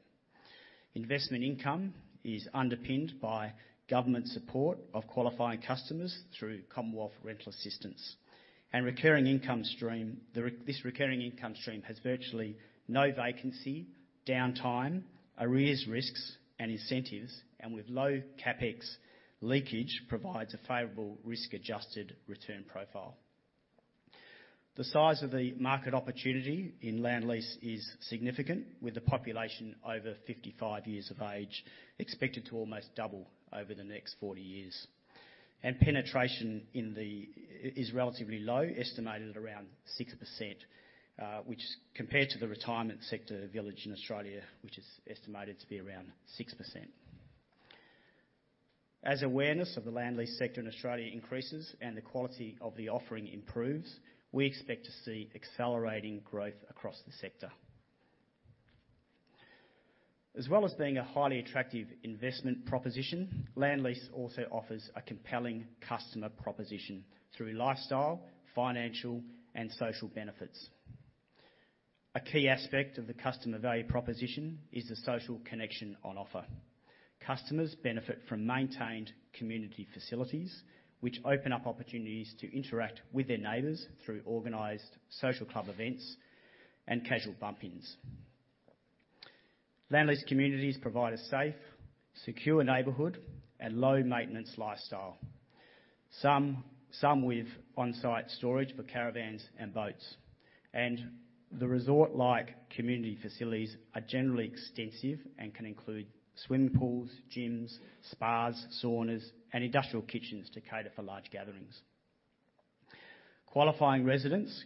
Investment income is underpinned by government support of qualifying customers through Commonwealth Rent Assistance. This recurring income stream has virtually no vacancy, downtime, arrears risks, and incentives, and with low CapEx leakage, provides a favorable risk-adjusted return profile. The size of the market opportunity in land lease is significant, with the population over 55 years of age, expected to almost double over the next 40 years. Penetration in the industry is relatively low, estimated at around 6%, which, compared to the retirement village sector in Australia, which is estimated to be around 6%. As awareness of the land lease sector in Australia increases and the quality of the offering improves, we expect to see accelerating growth across the sector. As well as being a highly attractive investment proposition, land lease also offers a compelling customer proposition through lifestyle, financial, and social benefits. A key aspect of the customer value proposition is the social connection on offer. Customers benefit from maintained community facilities, which open up opportunities to interact with their neighbors through organized social club events and casual bump-ins. Land lease communities provide a safe, secure neighborhood, and low-maintenance lifestyle, some with on-site storage for caravans and boats. The resort-like community facilities are generally extensive and can include swimming pools, gyms, spas, saunas, and industrial kitchens to cater for large gatherings. Qualifying residents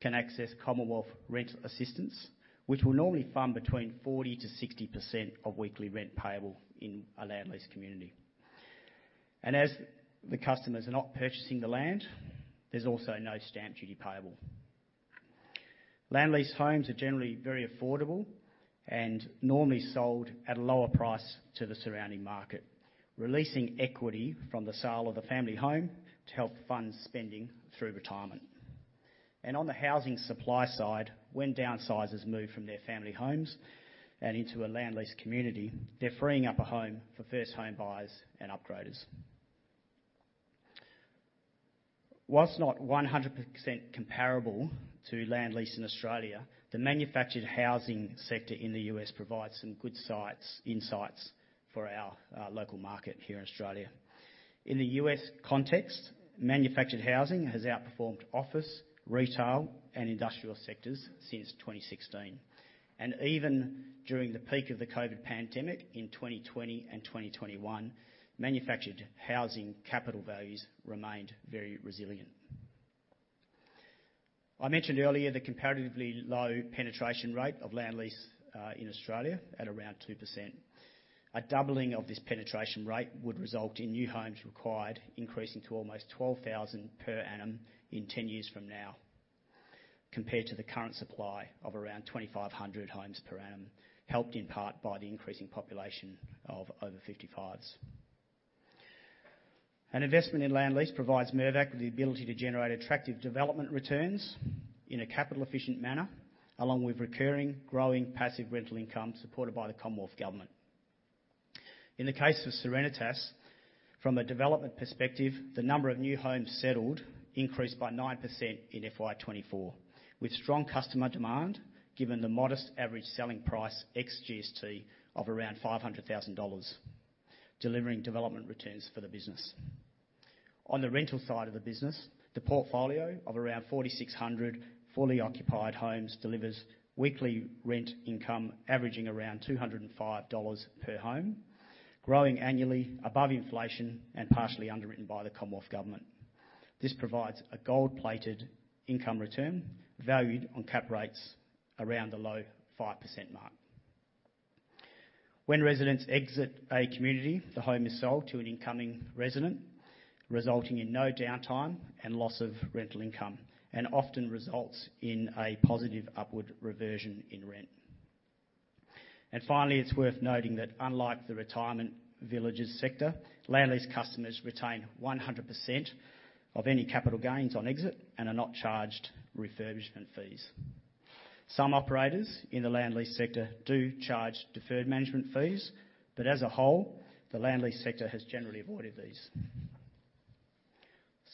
can access Commonwealth Rent Assistance, which will normally fund between 40%-60% of weekly rent payable in a land lease community. As the customers are not purchasing the land, there's also no stamp duty payable. Land lease homes are generally very affordable and normally sold at a lower price to the surrounding market, releasing equity from the sale of the family home to help fund spending through retirement. On the housing supply side, when downsizers move from their family homes and into a land lease community, they're freeing up a home for first-time buyers and upgraders. Whilst not 100% comparable to land lease in Australia, the manufactured housing sector in the U.S. provides some good insights for our local market here in Australia. In the U.S. context, manufactured housing has outperformed office, retail, and industrial sectors since 2016. And even during the peak of the COVID pandemic in 2020 and 2021, manufactured housing capital values remained very resilient. I mentioned earlier the comparatively low penetration rate of land lease in Australia at around 2%. A doubling of this penetration rate would result in new homes required, increasing to almost 12,000 per annum in 10 years from now, compared to the current supply of around 2,500 homes per annum, helped in part by the increasing population of over 55s. An investment in land lease provides Mirvac with the ability to generate attractive development returns in a capital-efficient manner, along with recurring, growing, passive rental income supported by the Commonwealth Government. In the case of Serenitas, from a development perspective, the number of new homes settled increased by 9% in FY twenty-four, with strong customer demand, given the modest average selling price ex GST of around 500,000 dollars, delivering development returns for the business. On the rental side of the business, the portfolio of around 4,600 fully occupied homes delivers weekly rent income averaging around 205 dollars per home, growing annually above inflation and partially underwritten by the Commonwealth Government. This provides a gold-plated income return, valued on cap rates around the low 5% mark. When residents exit a community, the home is sold to an incoming resident, resulting in no downtime and loss of rental income, and often results in a positive upward reversion in rent. And finally, it's worth noting that unlike the retirement villages sector, land lease customers retain 100% of any capital gains on exit and are not charged refurbishment fees. Some operators in the land lease sector do charge deferred management fees, but as a whole, the land lease sector has generally avoided these.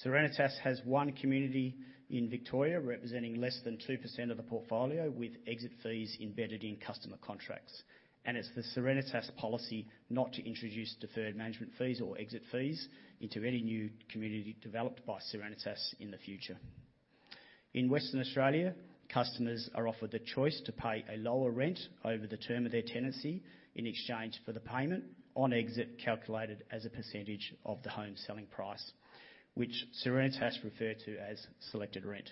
Serenitas has one community in Victoria, representing less than 2% of the portfolio, with exit fees embedded in customer contracts, and it's the Serenitas policy not to introduce deferred management fees or exit fees into any new community developed by Serenitas in the future. In Western Australia, customers are offered the choice to pay a lower rent over the term of their tenancy in exchange for the payment on exit, calculated as a percentage of the home selling price, which Serenitas refer to as selected rent.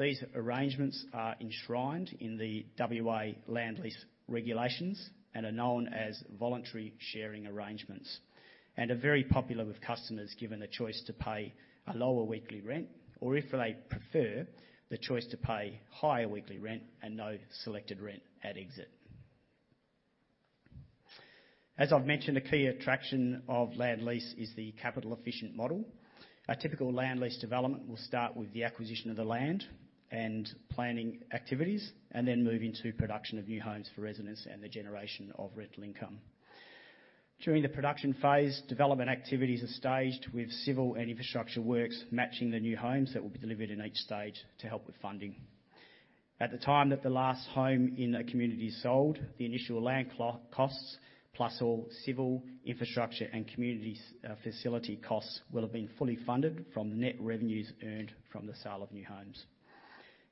These arrangements are enshrined in the WA Land Lease regulations and are known as voluntary sharing arrangements, and are very popular with customers, given the choice to pay a lower weekly rent, or if they prefer, the choice to pay higher weekly rent and no selected rent at exit. As I've mentioned, a key attraction of land lease is the capital-efficient model. A typical land lease development will start with the acquisition of the land and planning activities, and then move into production of new homes for residents and the generation of rental income. During the production phase, development activities are staged with civil and infrastructure works, matching the new homes that will be delivered in each stage to help with funding. At the time that the last home in a community is sold, the initial land closing costs, plus all civil, infrastructure, and community site facility costs, will have been fully funded from the net revenues earned from the sale of new homes,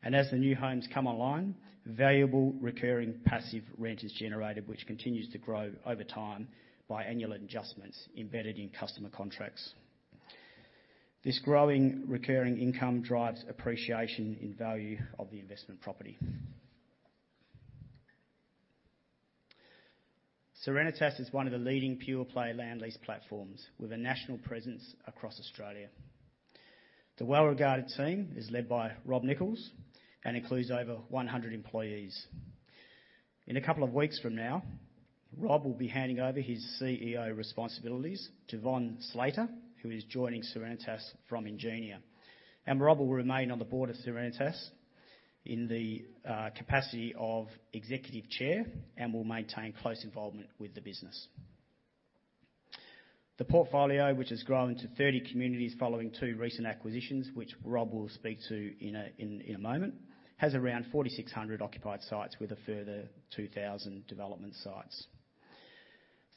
and as the new homes come online, valuable, recurring, passive rent is generated, which continues to grow over time by annual adjustments embedded in customer contracts. This growing, recurring income drives appreciation in value of the investment property. Serenitas is one of the leading pure-play land lease platforms, with a national presence across Australia. The well-regarded team is led by Rob Nichols and includes over 100 employees. In a couple of weeks from now, Rob will be handing over his CEO responsibilities to Vaughan Slater, who is joining Serenitas from Ingenia, and Rob will remain on the board of Serenitas in the capacity of Executive Chair and will maintain close involvement with the business. The portfolio, which has grown to 30 communities following two recent acquisitions, which Rob will speak to in a moment, has around 4,600 occupied sites, with a further 2,000 development sites.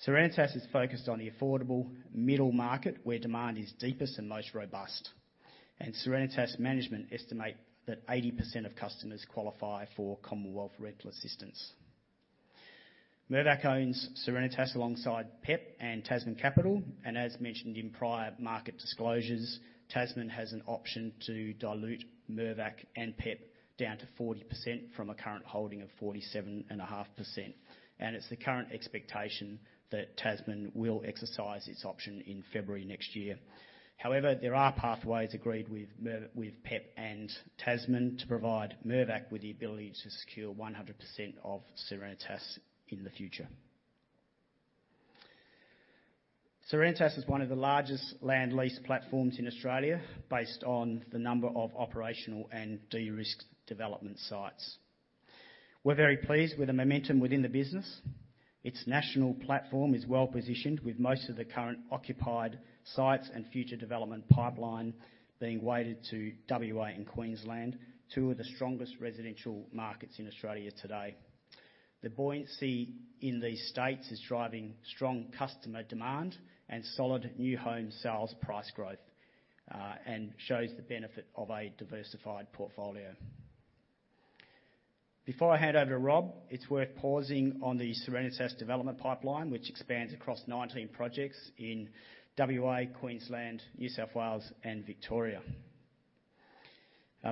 Serenitas is focused on the affordable middle market, where demand is deepest and most robust, and Serenitas management estimate that 80% of customers qualify for Commonwealth Rent Assistance. Mirvac owns Serenitas alongside PEP and Tasman Capital, and as mentioned in prior market disclosures, Tasman has an option to dilute Mirvac and PEP down to 40% from a current holding of 47.5%, and it's the current expectation that Tasman will exercise its option in February next year. However, there are pathways agreed with PEP and Tasman to provide Mirvac with the ability to secure 100% of Serenitas in the future. Serenitas is one of the largest land lease platforms in Australia, based on the number of operational and de-risked development sites. We're very pleased with the momentum within the business. Its national platform is well positioned, with most of the current occupied sites and future development pipeline being weighted to WA and Queensland, two of the strongest residential markets in Australia today. The buoyancy in these states is driving strong customer demand and solid new home sales price growth, and shows the benefit of a diversified portfolio. Before I hand over to Rob, it's worth pausing on the Serenitas development pipeline, which expands across nineteen projects in WA, Queensland, New South Wales, and Victoria.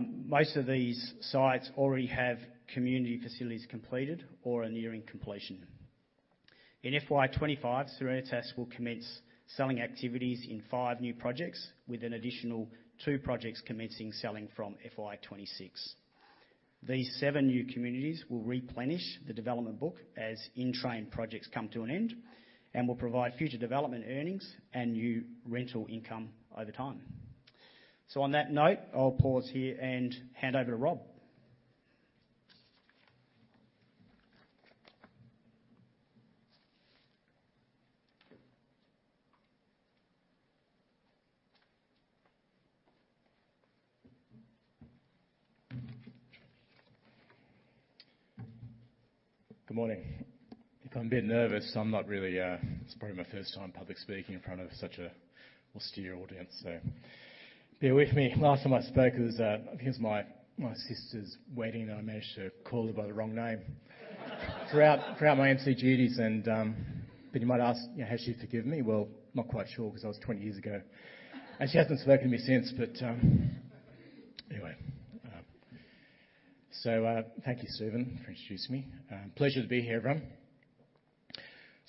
Most of these sites already have community facilities completed or are nearing completion. In FY twenty-five, Serenitas will commence selling activities in five new projects, with an additional two projects commencing selling from FY twenty-six. These seven new communities will replenish the development book as in-train projects come to an end and will provide future development earnings and new rental income over time. On that note, I'll pause here and hand over to Rob. Good morning. If I'm a bit nervous, I'm not really. It's probably my first time public speaking in front of such an austere audience, so bear with me. Last time I spoke, it was, I think it was my sister's wedding, and I managed to call her by the wrong name throughout my MC duties, and but you might ask, you know, "Has she forgiven me?" Well, not quite sure, 'cause that was 20 years ago, and she hasn't spoken to me since, but anyway. So, thank you, Steven, for introducing me. Pleasure to be here, everyone.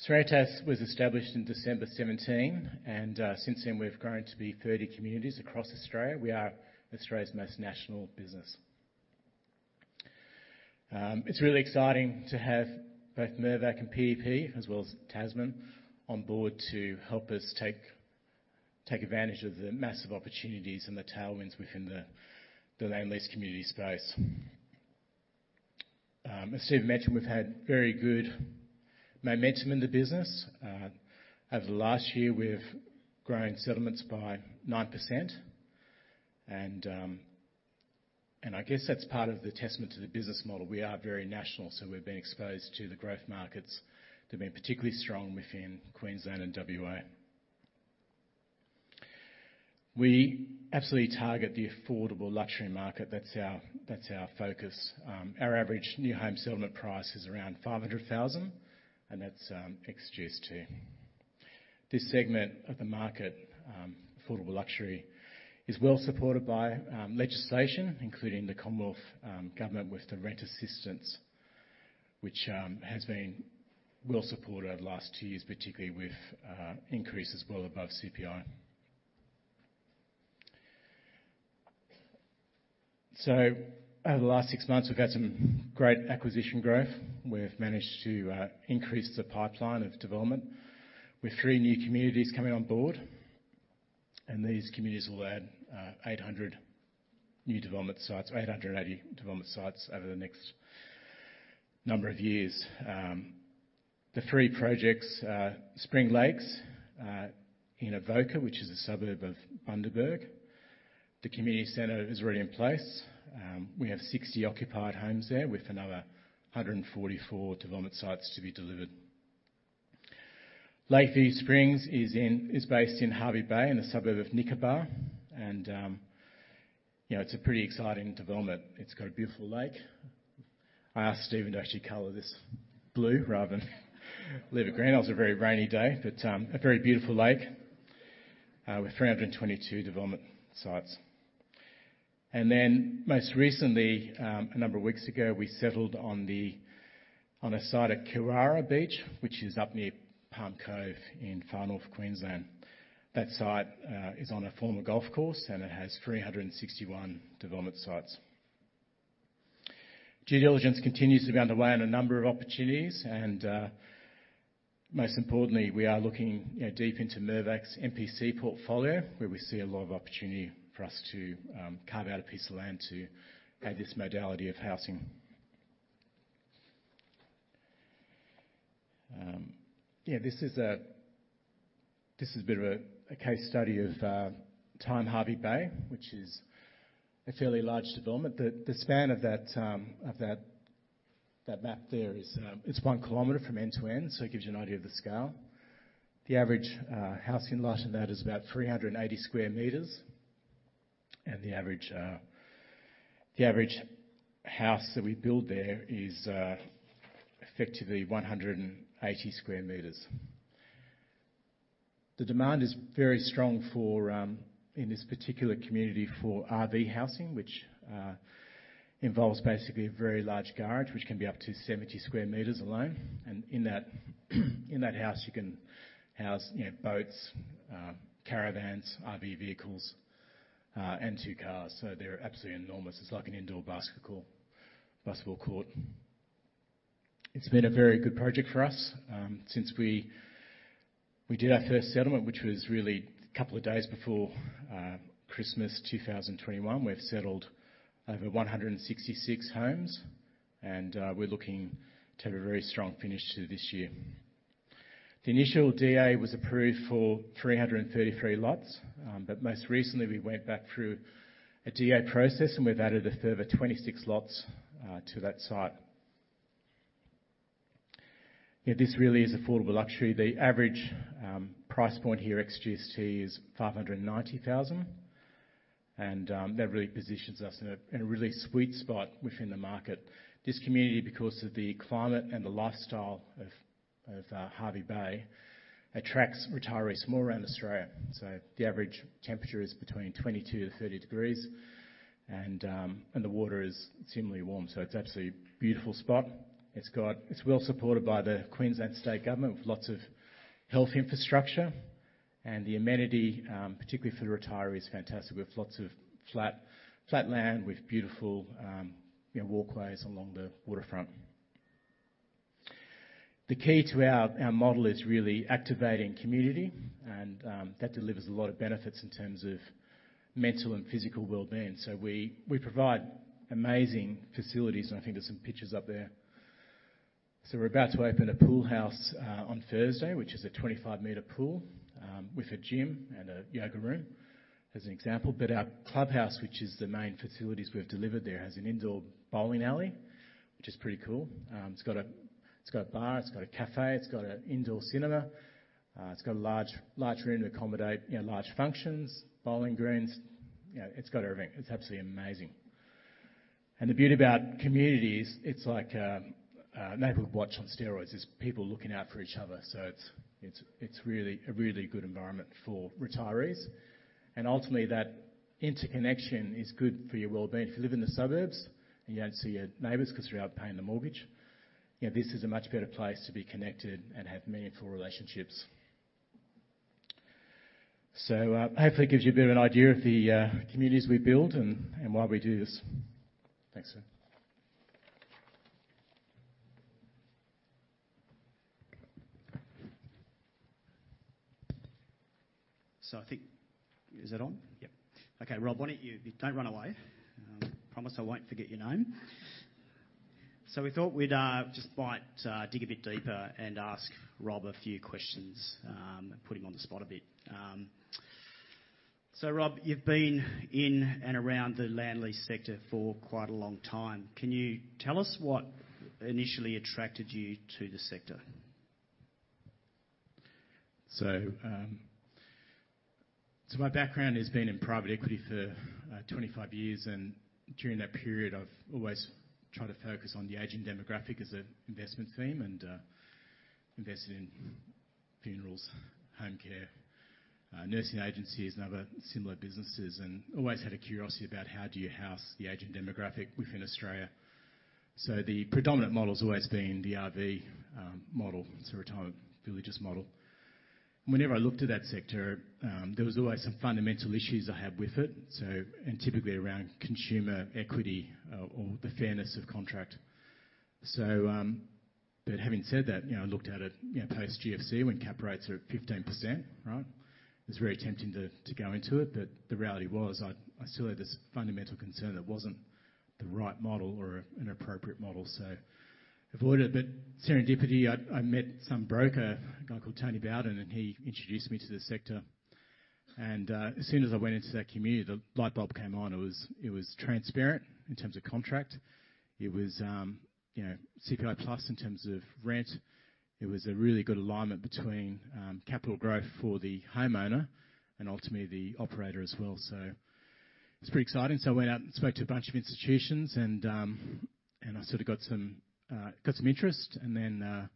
Serenitas was established in December 2017, and since then, we've grown to be 30 communities across Australia. We are Australia's most national business. It's really exciting to have both Mirvac and PEP, as well as Tasman, on board to help us take advantage of the massive opportunities and the tailwinds within the land lease community space. As Steve mentioned, we've had very good momentum in the business. Over the last year, we've grown settlements by 9%, and I guess that's part of the testament to the business model. We are very national, so we've been exposed to the growth markets that have been particularly strong within Queensland and WA. We absolutely target the affordable luxury market. That's our focus. Our average new home settlement price is around 500,000, and that's ex GST. This segment of the market, affordable luxury, is well supported by legislation, including the Commonwealth government, with the Rent Assistance, which has been well supported over the last two years, particularly with increases well above CPI, so over the last six months, we've had some great acquisition growth. We've managed to increase the pipeline of development with three new communities coming on board, and these communities will add 800 new development sites, 880 development sites over the next number of years. The three projects are Spring Lakes in Avoca, which is a suburb of Bundaberg. The community center is already in place. We have 60 occupied homes there, with another 144 development sites to be delivered. Lakeview Springs is based in Hervey Bay, in a suburb of Nikenbah, and, you know, it's a pretty exciting development. It's got a beautiful lake. I asked Steven to actually color this blue rather than leave it green. It was a very rainy day, but, a very beautiful lake, with three hundred and twenty-two development sites. And then most recently, a number of weeks ago, we settled on a site at Kewarra Beach, which is up near Palm Cove in Far North Queensland. That site is on a former golf course, and it has three hundred and sixty-one development sites. Due diligence continues to be underway in a number of opportunities, and, most importantly, we are looking, you know, deep into Mirvac's MPC portfolio, where we see a lot of opportunity for us to carve out a piece of land to have this modality of housing. Yeah, this is a bit of a case study of Thyme Hervey Bay, which is a fairly large development. The span of that map there is 1 km from end to end, so it gives you an idea of the scale. The average house in light of that is about 380 sq m, and the average house that we build there is effectively 180 sq m. The demand is very strong for in this particular community, for RV housing, which involves basically a very large garage, which can be up to 70 square meters alone. And in that house, you can house, you know, boats, caravans, RV vehicles, and two cars, so they're absolutely enormous. It's like an indoor basketball court. It's been a very good project for us. Since we did our first settlement, which was really a couple of days before Christmas 2021, we've settled over 166 homes, and we're looking to have a very strong finish to this year. The initial DA was approved for 333 lots. But most recently, we went back through a DA process, and we've added a further 26 lots to that site. You know, this really is affordable luxury. The average price point here, ex GST, is 590,000, and that really positions us in a really sweet spot within the market. This community, because of the climate and the lifestyle of Hervey Bay, attracts retirees from all around Australia. So the average temperature is between 22-30 degrees, and the water is similarly warm, so it's absolutely beautiful spot. It's well supported by the Queensland State Government, with lots of health infrastructure, and the amenity, particularly for the retirees, is fantastic. We have lots of flat, flat land with beautiful, you know, walkways along the waterfront. The key to our model is really activating community, and that delivers a lot of benefits in terms of mental and physical wellbeing. We provide amazing facilities, and I think there's some pictures up there. We're about to open a pool house on Thursday, which is a 25-meter pool with a gym and a yoga room, as an example. But our clubhouse, which is the main facilities we've delivered there, has an indoor bowling alley, which is pretty cool. It's got a bar, it's got a cafe, it's got an indoor cinema, it's got a large room to accommodate, you know, large functions, bowling greens. You know, it's got everything. It's absolutely amazing. And the beauty about community is it's like a neighborhood watch on steroids. It's people looking out for each other, so it's really a good environment for retirees. And ultimately, that interconnection is good for your wellbeing. If you live in the suburbs, and you don't see your neighbors because you're out paying the mortgage, you know, this is a much better place to be connected and have meaningful relationships. So, hopefully, it gives you a bit of an idea of the communities we build and why we do this. Thanks, sir. So I think. Is it on? Yep. Okay, Rob, why don't you. Don't run away. Promise I won't forget your name. So we thought we'd just might dig a bit deeper and ask Rob a few questions, put him on the spot a bit. So Rob, you've been in and around the land lease sector for quite a long time. Can you tell us what initially attracted you to the sector? My background has been in private equity for 25 years, and during that period, I've always tried to focus on the aging demographic as an investment theme, and invested in funerals, home care, nursing agencies, and other similar businesses, and always had a curiosity about how do you house the aging demographic within Australia? The predominant model's always been the RV model, retirement villages model. Whenever I looked at that sector, there was always some fundamental issues I had with it, and typically around consumer equity or the fairness of contract. But having said that, you know, I looked at it, you know, post GFC, when cap rates are at 15%, right? It's very tempting to go into it, but the reality was I still had this fundamental concern that it wasn't the right model or an appropriate model, so avoided it. But serendipity, I met some broker, a guy called Tony Bowden, and he introduced me to the sector. And as soon as I went into that community, the light bulb came on. It was transparent in terms of contract. It was, you know, CPI plus in terms of rent. It was a really good alignment between capital growth for the homeowner and ultimately the operator as well. So it's pretty exciting. So I went out and spoke to a bunch of institutions, and... And I sort of got some interest, and then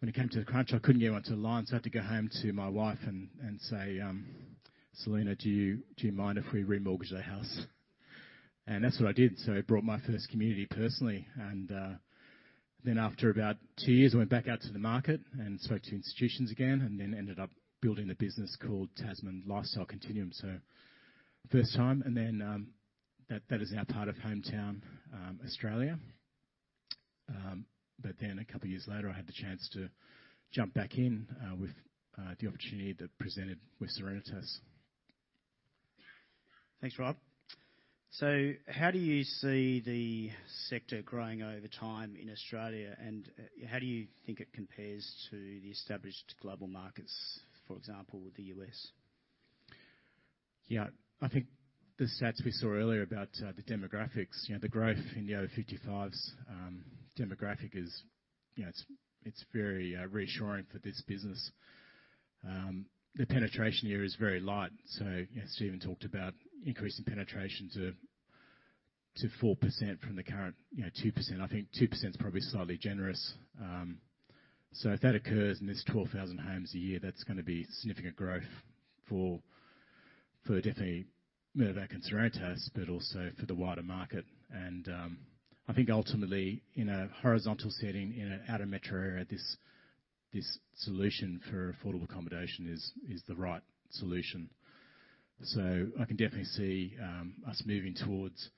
when it came to the crunch, I couldn't get it onto the line, so I had to go home to my wife and say, "Selena, do you mind if we remortgage the house?" And that's what I did. So I bought my first community personally, and then after about two years, I went back out to the market and spoke to institutions again, and then ended up building a business called Tasman Lifestyle Communities. So first time, and then that is now part of Hometown Australia. But then a couple years later, I had the chance to jump back in with the opportunity that presented with Serenitas. Thanks, Rob. So how do you see the sector growing over time in Australia, and how do you think it compares to the established global markets, for example, the U.S.? Yeah, I think the stats we saw earlier about the demographics, you know, the growth in the over fifty-fives demographic is, you know, it's very reassuring for this business. The penetration here is very light, so you know, Stephen talked about increasing penetration to 4% from the current, you know, 2%. I think 2% is probably slightly generous. So if that occurs, and there's 12,000 homes a year, that's gonna be significant growth for definitely Mirvac and Serenitas, but also for the wider market. And I think ultimately, in a horizontal setting, in a out of metro area, this solution for affordable accommodation is the right solution. So I can definitely see us moving towards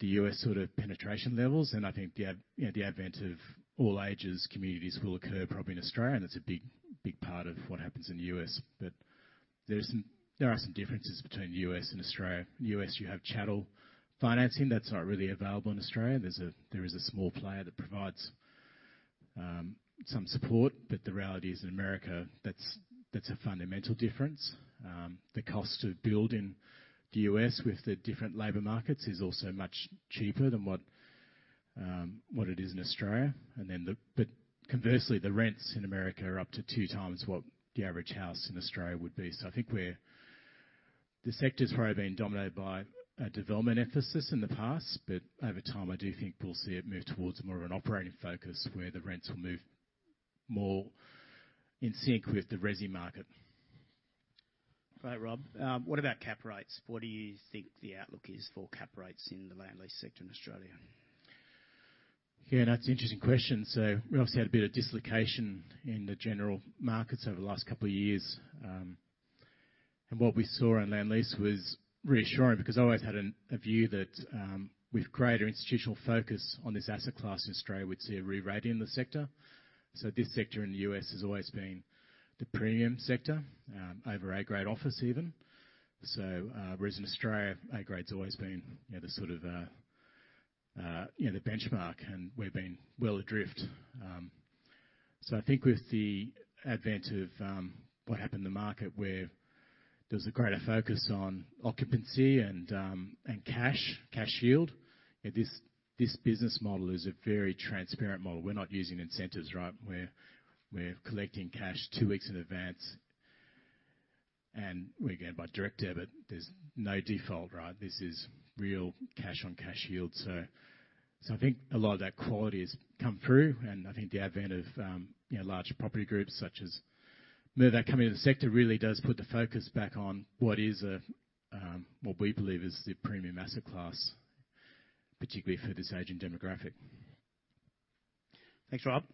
the U.S. sort of penetration levels, and I think the you know, the advent of all ages communities will occur probably in Australia, and that's a big, big part of what happens in the U.S. But there are some differences between the U.S. and Australia. In the U.S., you have chattel financing, that's not really available in Australia. There is a small player that provides some support, but the reality is, in America, that's a fundamental difference. The cost to build in the U.S. with the different labor markets is also much cheaper than what it is in Australia. But conversely, the rents in America are up to two times what the average house in Australia would be. So I think the sector's probably been dominated by a development emphasis in the past, but over time, I do think we'll see it move towards more of an operating focus, where the rents will move more in sync with the resi market. Great, Rob. What about cap rates? What do you think the outlook is for cap rates in the land lease sector in Australia? Yeah, no, it's an interesting question, so we obviously had a bit of dislocation in the general markets over the last couple of years, and what we saw in land lease was reassuring because I always had a view that with greater institutional focus on this asset class in Australia, we'd see a re-rating in the sector, so this sector in the U.S. has always been the premium sector over A-grade office even, so whereas in Australia, A-grade's always been, you know, the sort of, you know, the benchmark, and we've been well adrift, so I think with the advent of what happened in the market, where there was a greater focus on occupancy and cash yield, and this business model is a very transparent model. We're not using incentives, right? We're collecting cash two weeks in advance, and we're getting it by direct debit. There's no default, right? This is real cash-on-cash yield. So, I think a lot of that quality has come through, and I think the advent of, you know, larger property groups such as Mirvac coming into the sector really does put the focus back on what is a, what we believe is the premium asset class, particularly for this aging demographic. Thanks, Rob.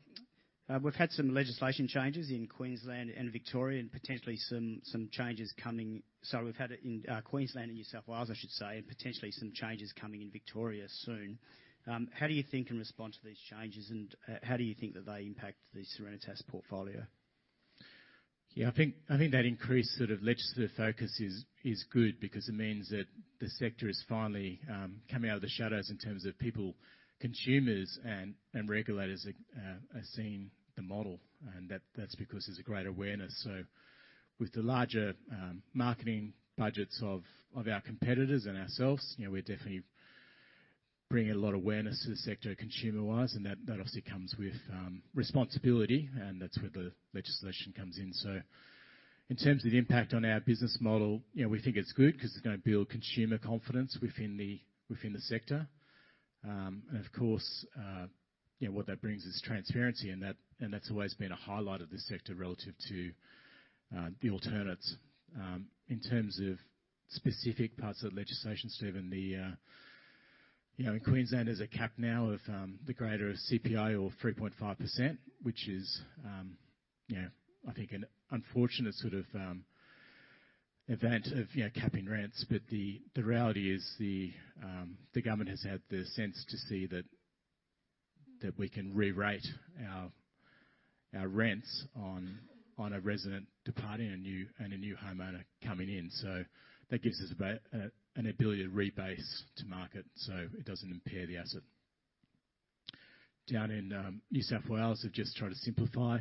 We've had some legislation changes in Queensland and Victoria, and potentially some changes coming. So we've had it in Queensland and New South Wales, I should say, and potentially some changes coming in Victoria soon. How do you think Serenitas can respond to these changes, and how do you think that they impact the Serenitas portfolio? Yeah, I think, I think that increased sort of legislative focus is good because it means that the sector is finally coming out of the shadows in terms of people, consumers, and regulators are seeing the model, and that's because there's a great awareness. So with the larger marketing budgets of our competitors and ourselves, you know, we're definitely bringing a lot of awareness to the sector, consumer-wise, and that obviously comes with responsibility, and that's where the legislation comes in. So in terms of the impact on our business model, you know, we think it's good, 'cause it's gonna build consumer confidence within the sector. And of course, you know, what that brings is transparency, and that's always been a highlight of this sector relative to the alternates. In terms of specific parts of the legislation, Steven, you know, in Queensland, there's a cap now of the greater of CPI or 3.5%, which is, you know, I think an unfortunate sort of event of, you know, capping rents. But the reality is the government has had the sense to see that we can re-rate our rents on a resident departing, and a new homeowner coming in. So that gives us about an ability to rebase to market, so it doesn't impair the asset. Down in New South Wales, they've just tried to simplify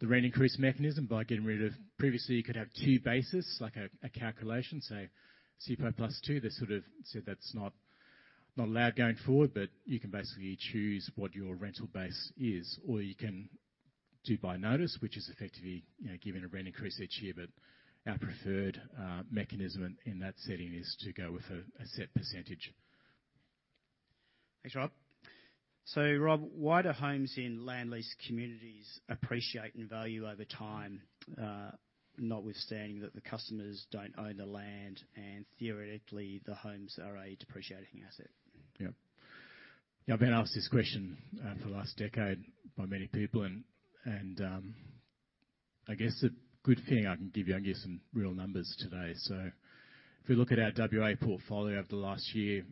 the rent increase mechanism by getting rid of... Previously, you could have two bases, like a calculation, so CPI plus two. They sort of said that's not allowed going forward, but you can basically choose what your rental base is, or you can do by notice, which is effectively, you know, giving a rent increase each year. But our preferred mechanism in that setting is to go with a set percentage. Thanks, Rob. Rob, why do homes in land lease communities appreciate in value over time, notwithstanding that the customers don't own the land, and theoretically, the homes are a depreciating asset? Yep. Yeah, I've been asked this question for the last decade by many people and I guess a good thing I can give you some real numbers today. So if we look at our WA portfolio over the last year,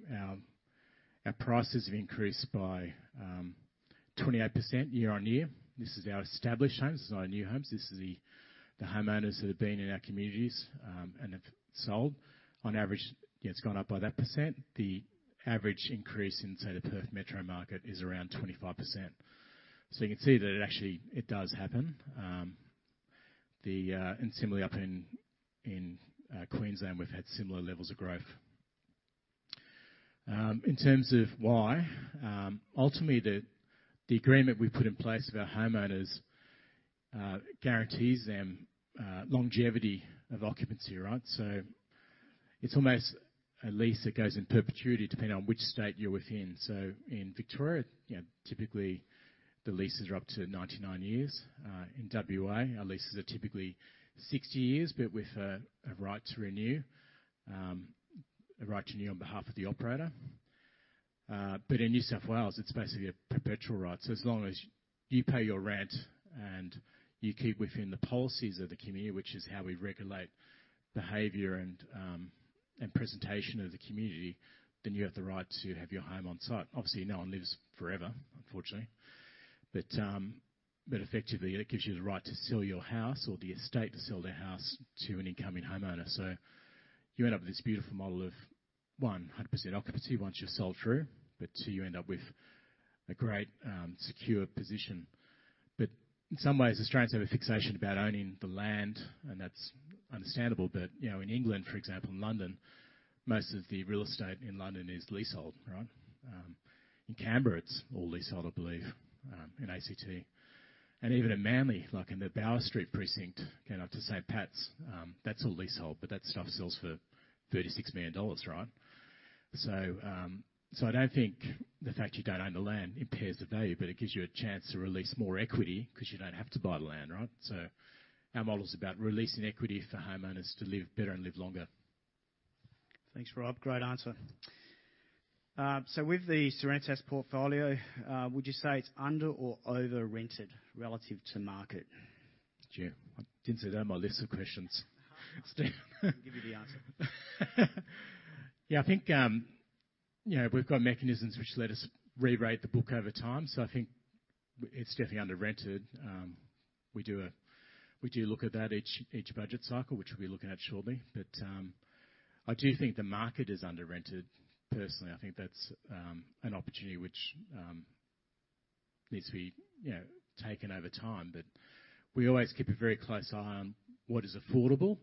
our prices have increased by 28% year on year. This is our established homes. This is not our new homes. This is the homeowners that have been in our communities and have sold. On average, it's gone up by that percent. The average increase in, say, the Perth metro market is around 25%. So you can see that it actually does happen. And similarly, up in Queensland, we've had similar levels of growth. In terms of why, ultimately, the agreement we've put in place with our homeowners guarantees them longevity of occupancy, right? So it's almost a lease that goes in perpetuity, depending on which state you're within. So in Victoria, you know, typically, the leases are up to 99 years. In WA, our leases are typically 60 years, but with a right to renew on behalf of the operator. But in New South Wales, it's basically a perpetual right. So as long as you pay your rent, and you keep within the policies of the community, which is how we regulate behavior and presentation of the community, then you have the right to have your home on site. Obviously, no one lives forever, unfortunately, but effectively, it gives you the right to sell your house or the estate to sell their house to an incoming homeowner. So you end up with this beautiful model of 100% occupancy once you're sold through, but two, you end up with a great secure position. But in some ways, Australians have a fixation about owning the land, and that's understandable. But you know, in England, for example, in London, most of the real estate in London is leasehold, right? In Canberra, it's all leasehold, I believe, in ACT, and even in Manly, like in the Bower Street precinct, going up to St Pat's, that's all leasehold, but that stuff sells for 36 million dollars, right? I don't think the fact you don't own the land impairs the value, but it gives you a chance to release more equity, 'cause you don't have to buy the land, right? Our model is about releasing equity for homeowners to live better and live longer. Thanks, Rob. Great answer. So with the Serenitas portfolio, would you say it's under or over-rented relative to market? Jim, I didn't see that on my list of questions. I'll give you the answer. Yeah, I think, you know, we've got mechanisms which let us re-rate the book over time, so I think it's definitely under-rented. We do look at that each budget cycle, which we'll be looking at shortly. But, I do think the market is under-rented. Personally, I think that's an opportunity which needs to be, you know, taken over time. But we always keep a very close eye on what is affordable,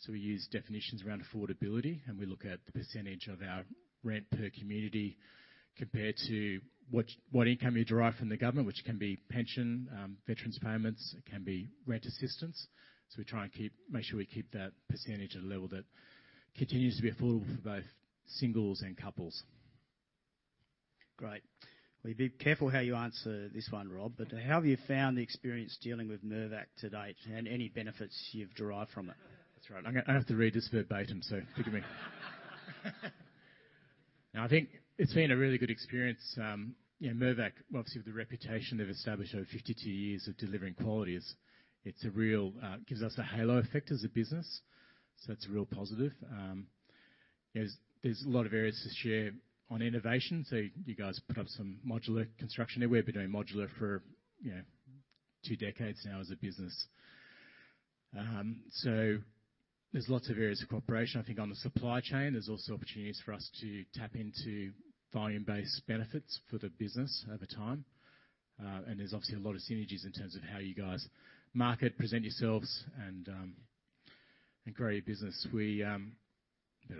so we use definitions around affordability, and we look at the percentage of our rent per community compared to what income you derive from the government, which can be pension, veterans' payments, it can be rent assistance. So we try and make sure we keep that percentage at a level that continues to be affordable for both singles and couples. Great. Well, be careful how you answer this one, Rob, but how have you found the experience dealing with Mirvac to date, and any benefits you've derived from it? That's right. I'm gonna have to read this verbatim, so forgive me. No, I think it's been a really good experience. Yeah, Mirvac, obviously, with the reputation they've established over fifty-two years of delivering quality is, it's a real, gives us a halo effect as a business, so it's a real positive. There's a lot of areas to share on innovation, so you guys put up some modular construction. We've been doing modular for, you know, two decades now as a business. So there's lots of areas of cooperation. I think on the supply chain, there's also opportunities for us to tap into volume-based benefits for the business over time. And there's obviously a lot of synergies in terms of how you guys market, present yourselves, and grow your business. We better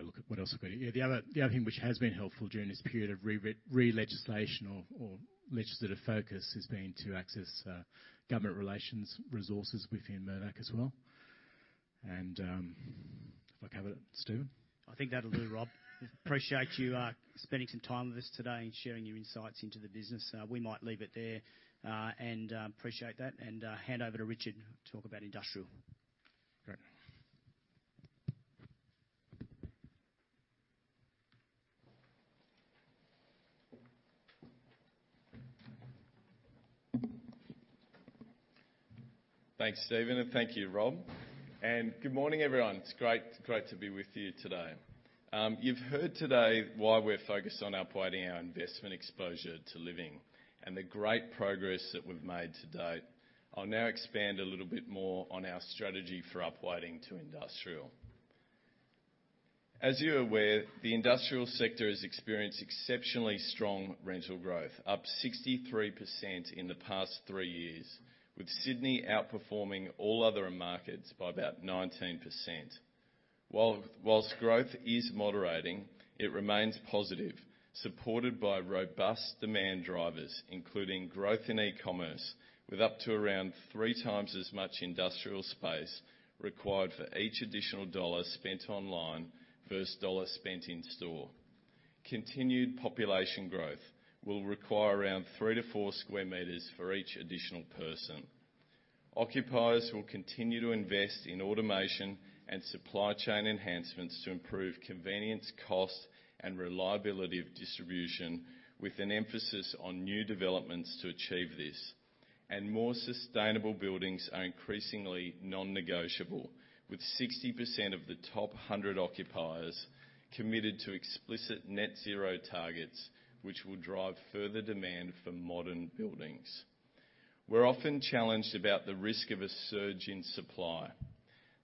look at what else I've got here. The other thing which has been helpful during this period of re-legislation or legislative focus has been to access government relations resources within Mirvac as well. And if I cover it, Steven? I think that'll do, Rob. Appreciate you spending some time with us today and sharing your insights into the business. We might leave it there and appreciate that, and hand over to Richard to talk about industrial. Great. Thanks, Steven, and thank you, Rob, and good morning, everyone. It's great, great to be with you today. You've heard today why we're focused on upweighting our investment exposure to living and the great progress that we've made to date. I'll now expand a little bit more on our strategy for upweighting to industrial. As you're aware, the industrial sector has experienced exceptionally strong rental growth, up 63% in the past three years, with Sydney outperforming all other markets by about 19%. Whilst growth is moderating, it remains positive, supported by robust demand drivers, including growth in e-commerce, with up to around three times as much industrial space required for each additional dollar spent online versus dollar spent in store. Continued population growth will require around three to four square meters for each additional person. Occupiers will continue to invest in automation and supply chain enhancements to improve convenience, cost, and reliability of distribution, with an emphasis on new developments to achieve this. More sustainable buildings are increasingly non-negotiable, with 60% of the top 100 occupiers committed to explicit net zero targets, which will drive further demand for modern buildings. We're often challenged about the risk of a surge in supply.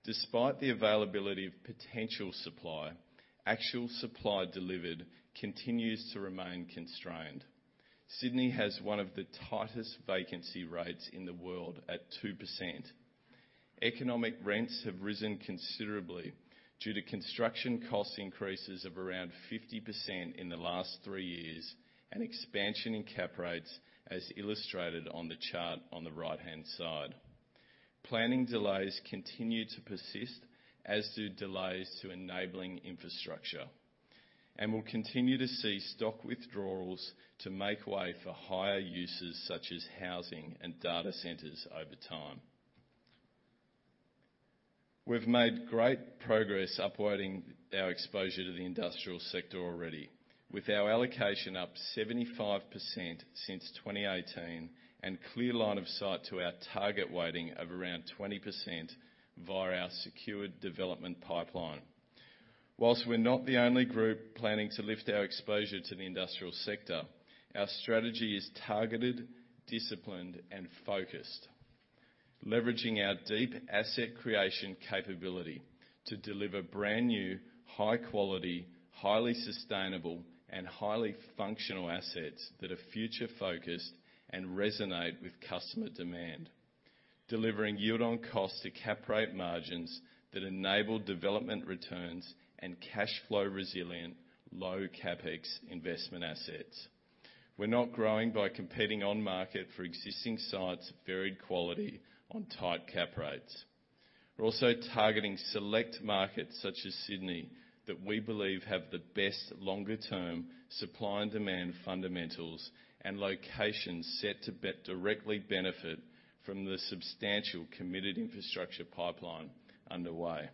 Despite the availability of potential supply, actual supply delivered continues to remain constrained. Sydney has one of the tightest vacancy rates in the world at 2%. Economic rents have risen considerably due to construction cost increases of around 50% in the last three years, and expansion in cap rates, as illustrated on the chart on the right-hand side. Planning delays continue to persist, as do delays to enabling infrastructure. We'll continue to see stock withdrawals to make way for higher uses, such as housing and data centers over time. We've made great progress uploading our exposure to the industrial sector already, with our allocation up 75% since 2018, and clear line of sight to our target weighting of around 20% via our secured development pipeline. While we're not the only group planning to lift our exposure to the industrial sector, our strategy is targeted, disciplined, and focused. Leveraging our deep asset creation capability to deliver brand new, high quality, highly sustainable, and highly functional assets that are future-focused and resonate with customer demand. Delivering yield on cost to cap rate margins that enable development returns and cashflow resilient, low CapEx investment assets. We're not growing by competing on market for existing sites of varied quality on tight cap rates. We're also targeting select markets, such as Sydney, that we believe have the best longer term supply and demand fundamentals, and locations set to directly benefit from the substantial committed infrastructure pipeline underway.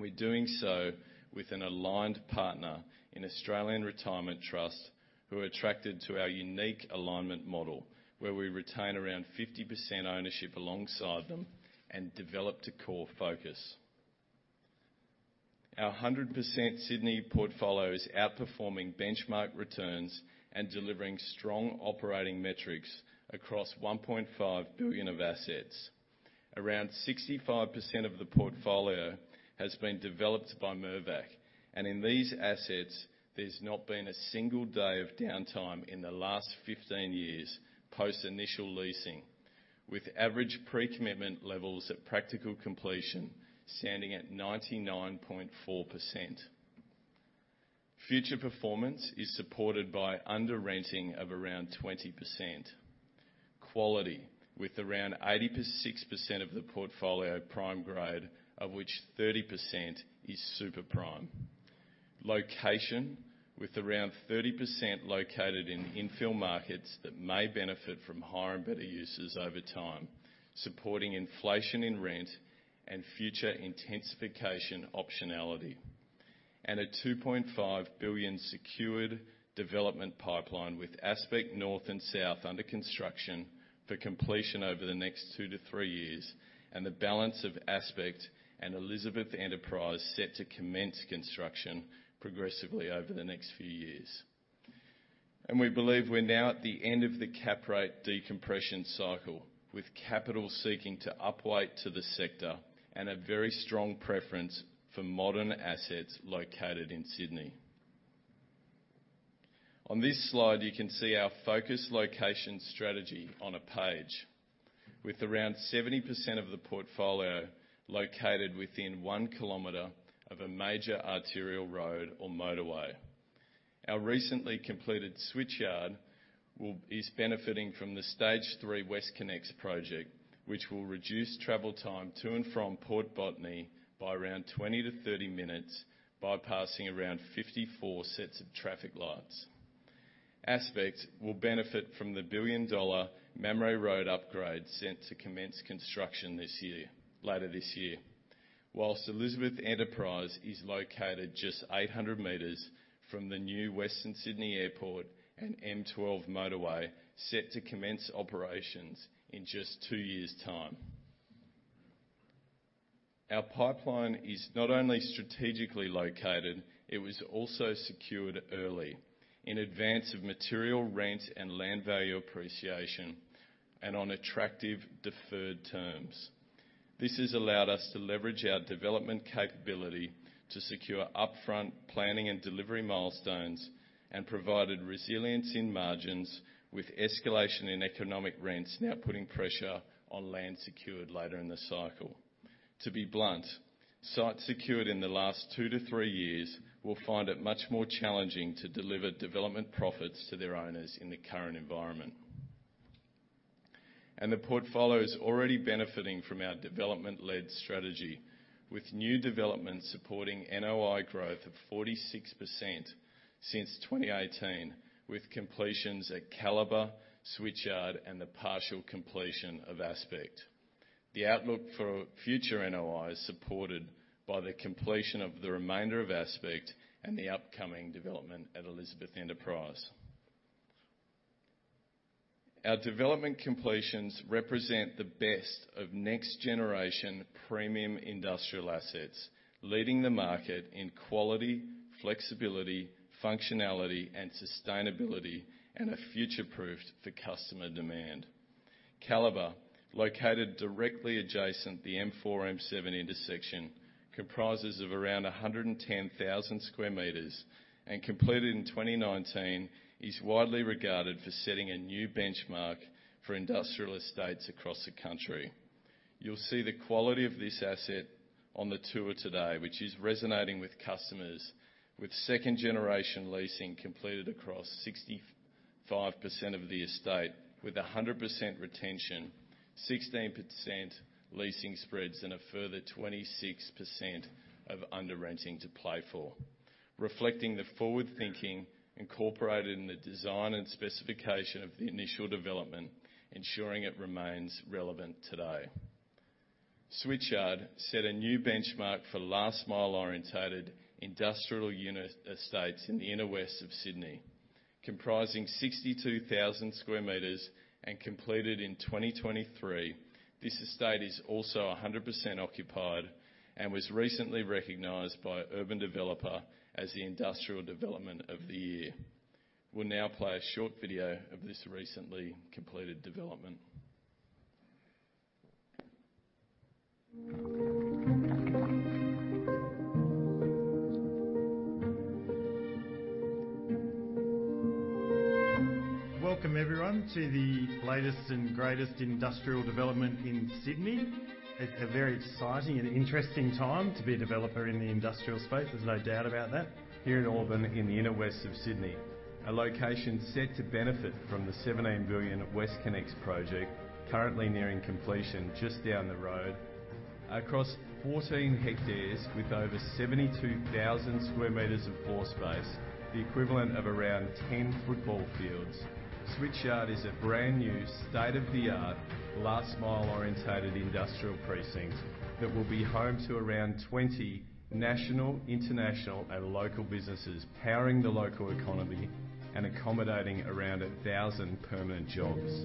We're doing so with an aligned partner in Australian Retirement Trust, who are attracted to our unique alignment model, where we retain around 50% ownership alongside them and develop to core focus. Our 100% Sydney portfolio is outperforming benchmark returns and delivering strong operating metrics across 1.5 billion of assets. Around 65% of the portfolio has been developed by Mirvac, and in these assets, there's not been a single day of downtime in the last fifteen years, post initial leasing, with average pre-commitment levels at practical completion, standing at 99.4%. Future performance is supported by under renting of around 20%. Quality, with around 60% of the portfolio prime grade, of which 30% is super prime. Location, with around 30% located in infill markets that may benefit from higher and better uses over time, supporting inflation in rent and future intensification optionality. A 2.5 billion secured development pipeline with Aspect North and South under construction for completion over the next 2 to 3 years, and the balance of Aspect and Elizabeth Enterprise set to commence construction progressively over the next few years. We believe we're now at the end of the cap rate decompression cycle, with capital seeking to deploy to the sector, and a very strong preference for modern assets located in Sydney. On this slide, you can see our focus location strategy on a page, with around 70% of the portfolio located within one kilometer of a major arterial road or motorway. Our recently completed Switchyard is benefiting from the Stage Three WestConnex project, which will reduce travel time to and from Port Botany by around 20-30 minutes, bypassing around 54 sets of traffic lights. Aspect will benefit from the billion-dollar Mamre Road upgrade set to commence construction this year, later this year. While Elizabeth Enterprise is located just 800 meters from the new Western Sydney Airport and M12 motorway, set to commence operations in just two years' time. Our pipeline is not only strategically located, it was also secured early, in advance of material rent and land value appreciation, and on attractive, deferred terms. This has allowed us to leverage our development capability. to secure upfront planning and delivery milestones, and provided resilience in margins, with escalation in economic rents now putting pressure on land secured later in the cycle. To be blunt, sites secured in the last two to three years will find it much more challenging to deliver development profits to their owners in the current environment. And the portfolio is already benefiting from our development-led strategy, with new developments supporting NOI growth of 46% since 2018, with completions at Calibre, Switchyard, and the partial completion of Aspect. The outlook for future NOI is supported by the completion of the remainder of Aspect and the upcoming development at Elizabeth Enterprise. Our development completions represent the best of next-generation premium industrial assets, leading the market in quality, flexibility, functionality, and sustainability, and are future-proofed for customer demand. Calibre, located directly adjacent the M4-M7 intersection, comprises of around 110,000 sq m, and completed in 2019, is widely regarded for setting a new benchmark for industrial estates across the country. You'll see the quality of this asset on the tour today, which is resonating with customers, with second-generation leasing completed across 65% of the estate, with a 100% retention, 16% leasing spreads, and a further 26% of under-renting to play for. Reflecting the forward thinking incorporated in the design and specification of the initial development, ensuring it remains relevant today. Switchyard set a new benchmark for last-mile oriented industrial unit estates in the inner west of Sydney. Comprising 62,000 sq m and completed in 2023, this estate is also a 100% occupied and was recently recognized by The Urban Developer as the Industrial Development of the Year. We'll now play a short video of this recently completed development. Welcome, everyone, to the latest and greatest industrial development in Sydney. It's a very exciting and interesting time to be a developer in the industrial space, there's no doubt about that. Here in Auburn, in the inner west of Sydney, a location set to benefit from the 17 billion WestConnex project, currently nearing completion just down the road. Across 14 hectares with over 72,000 square meters of floor space, the equivalent of around 10 football fields, Switchyard is a brand-new, state-of-the-art, last-mile orientated industrial precinct that will be home to around 20 national, international, and local businesses, powering the local economy and accommodating around 1,000 permanent jobs.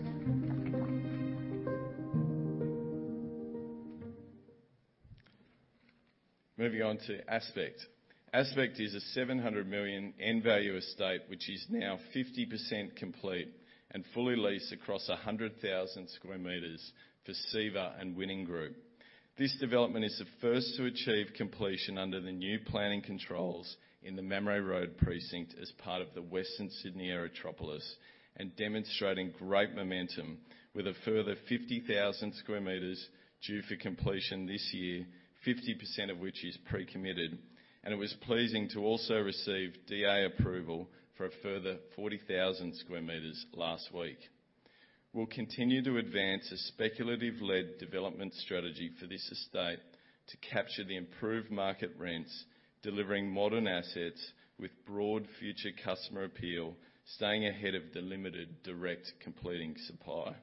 Moving on to Aspect. Aspect is an 700 million end value estate, which is now 50% complete and fully leased across 100,000 sq m for CEVA and Winning Group. This development is the first to achieve completion under the new planning controls in the Mamre Road precinct as part of the Western Sydney Aerotropolis, and demonstrating great momentum with a further 50,000 sq m due for completion this year, 50% of which is pre-committed, and it was pleasing to also receive DA approval for a further 40,000 sq m last week. We'll continue to advance a speculative-led development strategy for this estate to capture the improved market rents, delivering modern assets with broad future customer appeal, staying ahead of the limited direct competing supply.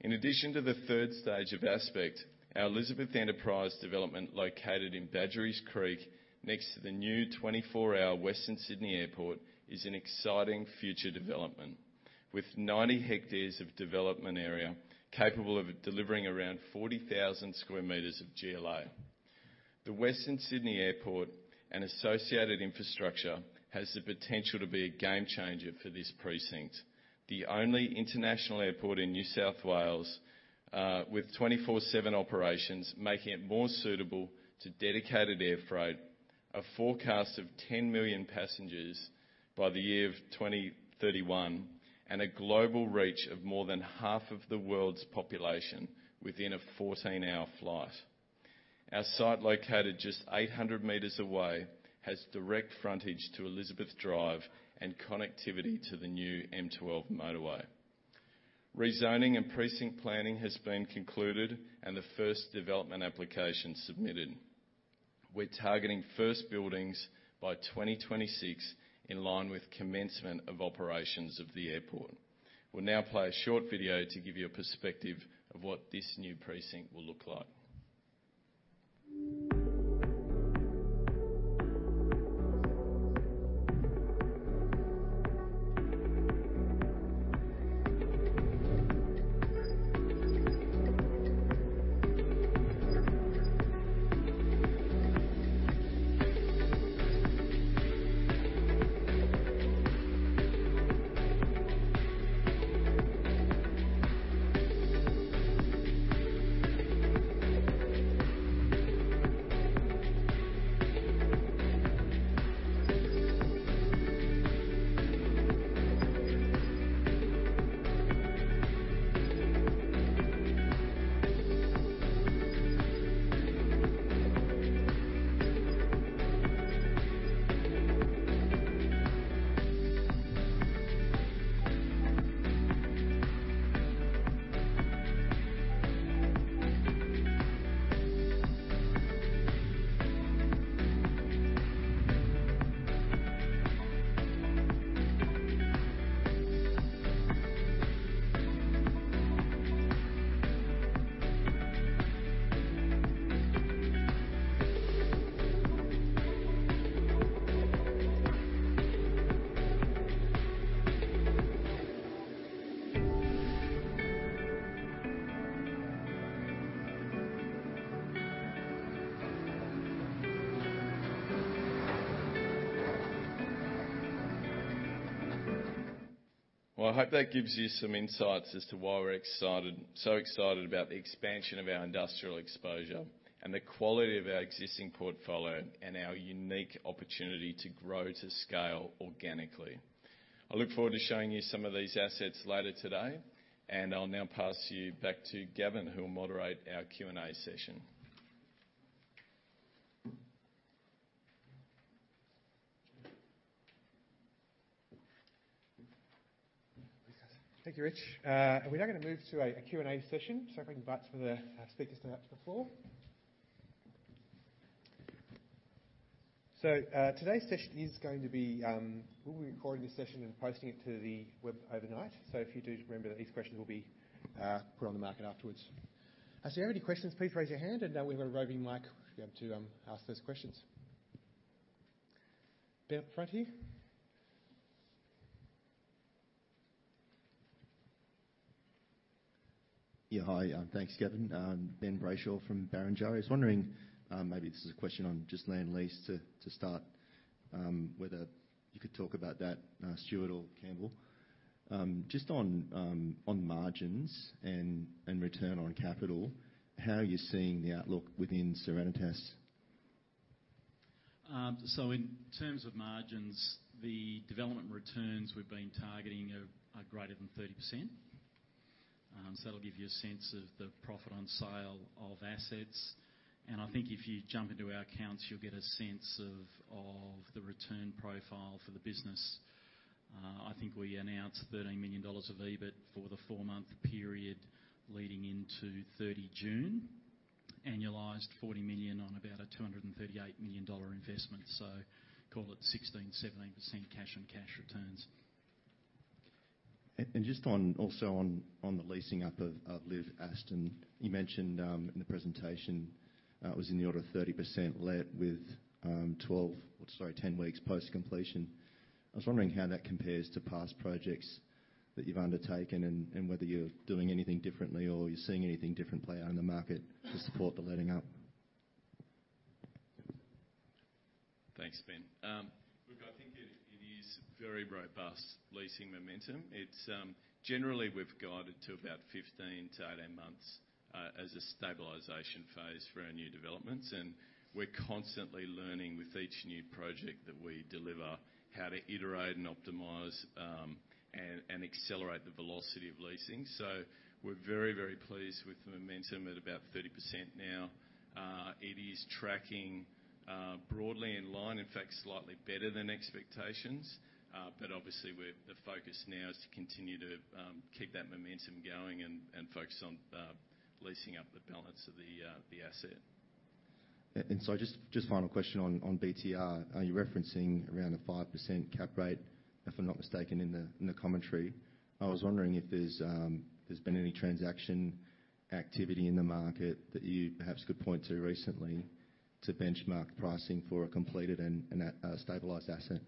In addition to the third stage of Aspect, our Elizabeth Enterprise development, located in Badgerys Creek, next to the new twenty-four-hour Western Sydney Airport, is an exciting future development. With 90 hectares of development area, capable of delivering around 40,000 square meters of GLA. The Western Sydney Airport and associated infrastructure has the potential to be a game changer for this precinct. The only international airport in New South Wales, with twenty-four/seven operations, making it more suitable to dedicated air freight, a forecast of 10 million passengers by the year 2031, and a global reach of more than half of the world's population within a fourteen-hour flight. Our site, located just 800 meters away, has direct frontage to Elizabeth Drive and connectivity to the new M12 motorway. Rezoning and precinct planning has been concluded, and the first development application submitted. We're targeting first buildings by 2026, in line with commencement of operations of the airport. We'll now play a short video to give you a perspective of what this new precinct will look like. ... Well, I hope that gives you some insights as to why we're excited, so excited about the expansion of our industrial exposure and the quality of our existing portfolio, and our unique opportunity to grow to scale organically. I look forward to showing you some of these assets later today, and I'll now pass you back to Gavin, who will moderate our Q&A session. Thank you, Rich. We're now going to move to a Q&A session. So if I can invite some of the speakers now to the floor. So, today's session is going to be, we'll be recording this session and posting it to the web overnight. So if you do, remember that these questions will be put on the market afterwards. So if you have any questions, please raise your hand, and we have a roving mic, be able to ask those questions. Ben, front here. Yeah, hi, thanks, Gavin. Ben Brayshaw from Barrenjoey. I was wondering, maybe this is a question on just land lease to start, whether you could talk about that, Stuart or Campbell. Just on margins and return on capital, how are you seeing the outlook within Serenitas? So in terms of margins, the development returns we've been targeting are greater than 30%. So that'll give you a sense of the profit on sale of assets. And I think if you jump into our accounts, you'll get a sense of the return profile for the business. I think we announced 13 million dollars of EBIT for the four-month period leading into 30 June, annualized 40 million on about a 238 million dollar investment. So call it 16%-17% cash on cash returns. Just on the leasing up of Liv Aston, you mentioned in the presentation it was in the order of 30% let with twelve, sorry, ten weeks post-completion. I was wondering how that compares to past projects that you've undertaken and whether you're doing anything differently, or you're seeing anything different play out in the market to support the letting up. Thanks, Ben. Look, I think it is very robust leasing momentum. It's generally we've guided to about 15-18 months as a stabilization phase for our new developments, and we're constantly learning with each new project that we deliver, how to iterate and optimize and accelerate the velocity of leasing. So we're very, very pleased with the momentum at about 30% now. It is tracking broadly in line, in fact, slightly better than expectations. But obviously, the focus now is to continue to keep that momentum going and focus on leasing up the balance of the asset. Just final question on BTR. Are you referencing around a 5% cap rate, if I'm not mistaken, in the commentary? I was wondering if there's been any transaction activity in the market that you perhaps could point to recently to benchmark pricing for a completed and a stabilized asset.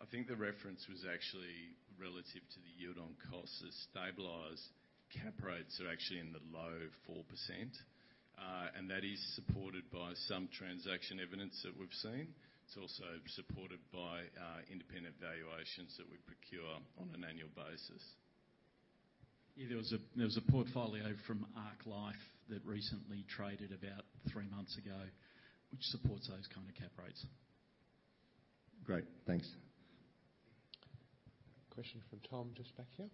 I think the reference was actually relative to the yield on cost. The stabilized cap rates are actually in the low 4%, and that is supported by some transaction evidence that we've seen. It's also supported by independent valuations that we procure on an annual basis. Yeah, there was a portfolio from Arklife that recently traded about three months ago, which supports those kind of cap rates. Great, thanks. Question from Tom, just back here.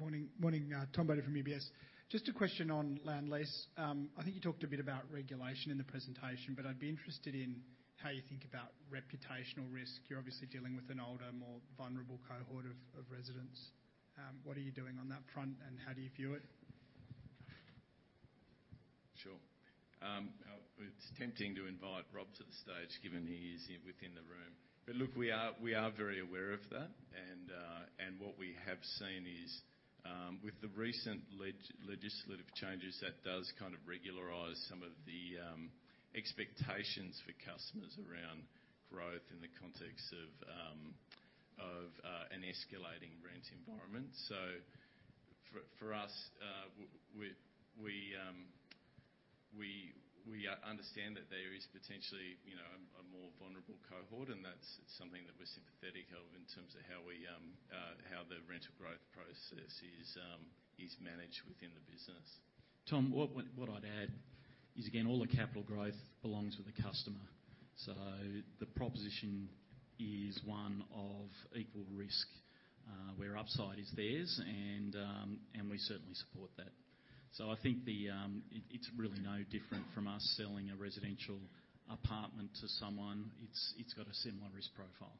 Morning, morning. Tom Badr from UBS. Just a question on land lease. I think you talked a bit about regulation in the presentation, but I'd be interested in how you think about reputational risk. You're obviously dealing with an older, more vulnerable cohort of residents. What are you doing on that front, and how do you view it? Sure. It's tempting to invite Rob to the stage, given he is here within the room. But look, we are very aware of that, and what we have seen is, with the recent legislative changes, that does kind of regularize some of the expectations for customers around growth in the context of an escalating rent environment. So for us, we understand that there is potentially, you know, a more vulnerable cohort, and that's something that we're sympathetic of in terms of how the rental growth process is managed within the business. Tom, what I'd add is, again, all the capital growth belongs with the customer. So the proposition is one of equal risk, where upside is theirs and we certainly support that. So I think it's really no different from us selling a residential apartment to someone. It's got a similar risk profile.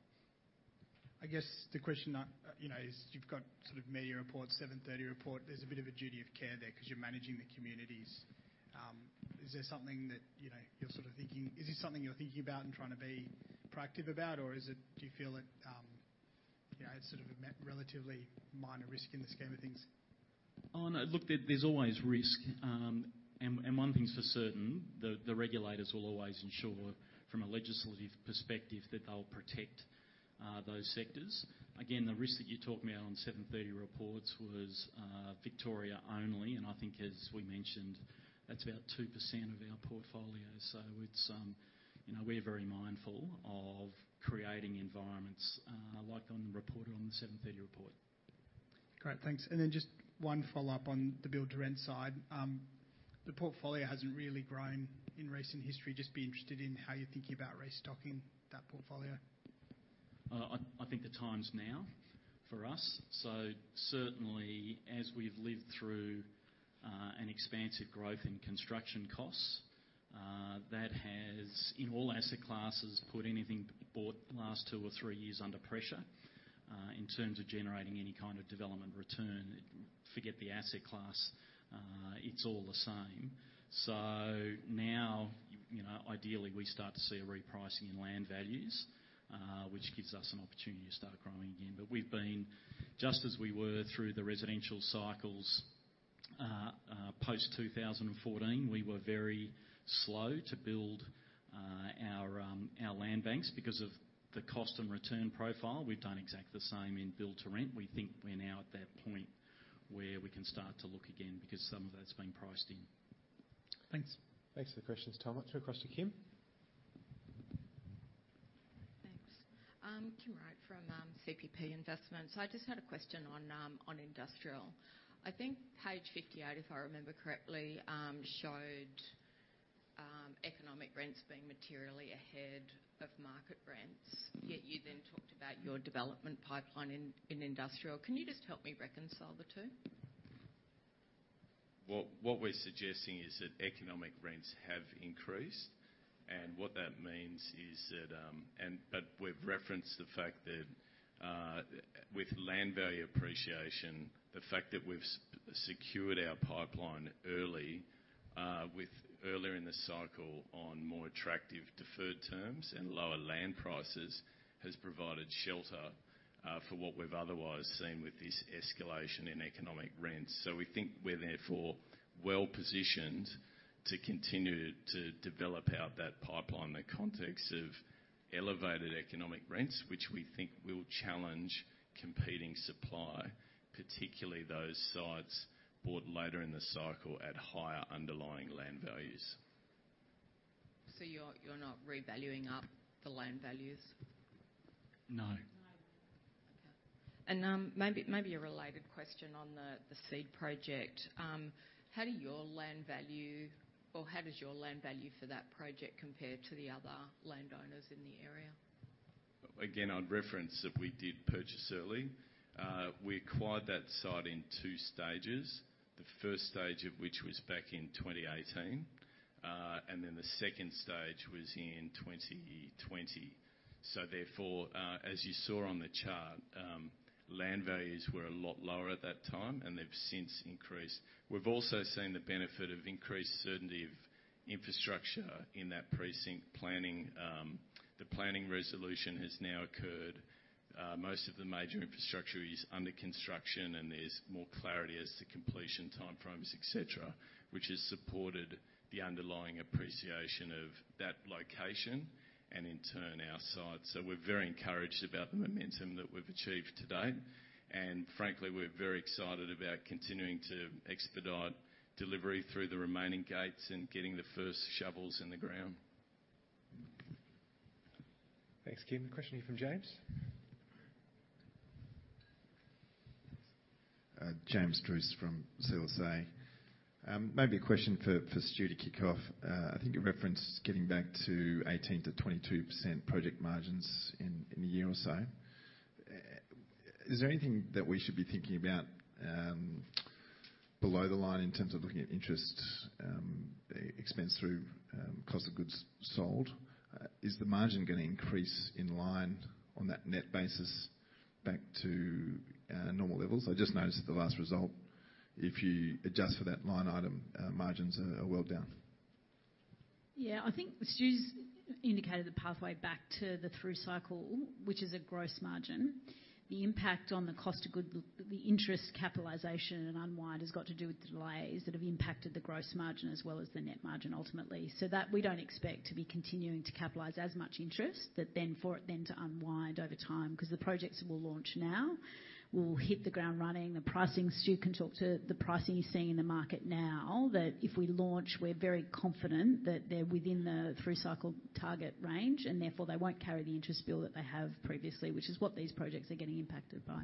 I guess the question, you know, is you've got sort of media reports, 7:30 Report. There's a bit of a duty of care there because you're managing the communities. Is there something that, you know, you're sort of thinking? Is this something you're thinking about and trying to be proactive about? Or is it, do you feel that, you know, it's sort of a relatively minor risk in the scheme of things? Oh, no. Look, there, there's always risk. And one thing's for certain, the regulators will always ensure from a legislative perspective that they'll protect those sectors. Again, the risk that you're talking about on 7.30 Report was Victoria only, and I think as we mentioned, that's about 2% of our portfolio. So it's. You know, we're very mindful of creating environments like on the report, on the 7.30 Report. Great, thanks. And then just one follow-up on the build-to-rent side. The portfolio hasn't really grown in recent history. Just be interested in how you're thinking about restocking that portfolio. I think the time's now for us. So certainly, as we've lived through an expansive growth in construction costs that has, in all asset classes, put anything bought the last two or three years under pressure in terms of generating any kind of development return. Forget the asset class, it's all the same. So now, you know, ideally, we start to see a repricing in land values which gives us an opportunity to start growing again. But we've been, just as we were through the residential cycles post 2014, we were very slow to build our land banks because of the cost and return profile. We've done exactly the same in build-to-rent. We think we're now at that point where we can start to look again because some of that's been priced in. Thanks. Thanks for the questions, Tom. Let's go across to Kim. Thanks. Kim Wright from CPP Investments. I just had a question on industrial. I think page 58, if I remember correctly, showed economic rents being materially ahead of market rents. Yet you then talked about your development pipeline in industrial. Can you just help me reconcile the two? What we're suggesting is that economic rents have increased, and what that means is that we've referenced the fact that, with land value appreciation, the fact that we've secured our pipeline early, earlier in the cycle on more attractive deferred terms and lower land prices, has provided shelter for what we've otherwise seen with this escalation in economic rents. So we think we're therefore well positioned to continue to develop out that pipeline in the context of elevated economic rents, which we think will challenge competing supply, particularly those sites bought later in the cycle at higher underlying land values. So you're not revaluing up the land values? No. No. Okay. Maybe a related question on the seed project. How does your land value for that project compare to the other landowners in the area? Again, I'd reference that we did purchase early. We acquired that site in two stages, the first stage of which was back in 2018, and then the second stage was in 2020. So therefore, as you saw on the chart, land values were a lot lower at that time, and they've since increased. We've also seen the benefit of increased certainty of infrastructure in that precinct planning, the planning resolution has now occurred. Most of the major infrastructure is under construction, and there's more clarity as to completion timeframes, et cetera, which has supported the underlying appreciation of that location and in turn, our site. So we're very encouraged about the momentum that we've achieved to date. And frankly, we're very excited about continuing to expedite delivery through the remaining gates and getting the first shovels in the ground. Thanks, Kim. Question here from James. James Druce from CLSA. Maybe a question for Stu to kick off. I think you referenced getting back to 18%-22% project margins in a year or so. Is there anything that we should be thinking about below the line in terms of looking at interest expense through cost of goods sold? Is the margin going to increase in line on that net basis back to normal levels? I just noticed that the last result, if you adjust for that line item, margins are well down.... Yeah, I think Stu's indicated the pathway back to the through cycle, which is a gross margin. The impact on the cost of goods, the interest capitalization and unwind has got to do with the delays that have impacted the gross margin as well as the net margin, ultimately. So that we don't expect to be continuing to capitalize as much interest, that then for it then to unwind over time, 'cause the projects we'll launch now will hit the ground running. The pricing, Stu can talk to the pricing he's seeing in the market now, that if we launch, we're very confident that they're within the through cycle target range, and therefore they won't carry the interest bill that they have previously, which is what these projects are getting impacted by.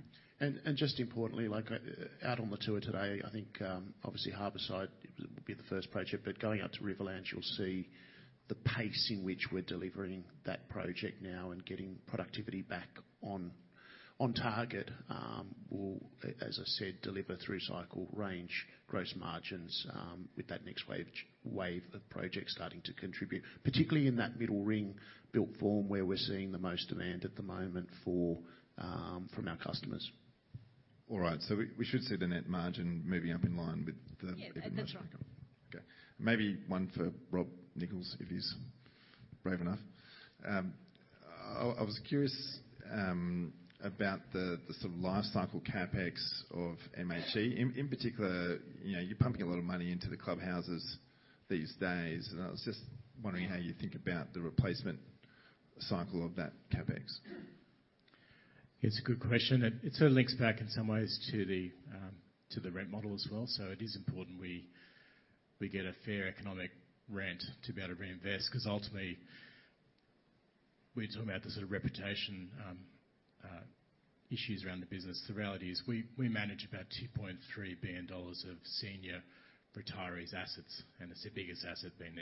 Just importantly, like, I out on the tour today, I think, obviously Harbourside will be the first project, but going out to Riverlands, you'll see the pace in which we're delivering that project now and getting productivity back on target. We'll, as I said, deliver through cycle range, gross margins, with that next wave of projects starting to contribute, particularly in that middle ring built form, where we're seeing the most demand at the moment for from our customers. All right. So we should see the net margin moving up in line with the- Yeah, that's right. Okay. Maybe one for Rob Nichols, if he's brave enough. I was curious about the sort of life cycle CapEx of MHC. In particular, you know, you're pumping a lot of money into the clubhouses these days, and I was just wondering how you think about the replacement cycle of that CapEx? It's a good question, and it sort of links back in some ways to the rent model as well. So it is important we get a fair economic rent to be able to reinvest, 'cause ultimately, we're talking about the sort of reputation issues around the business. The reality is, we manage about 2.3 billion dollars of senior retirees' assets, and it's their biggest asset being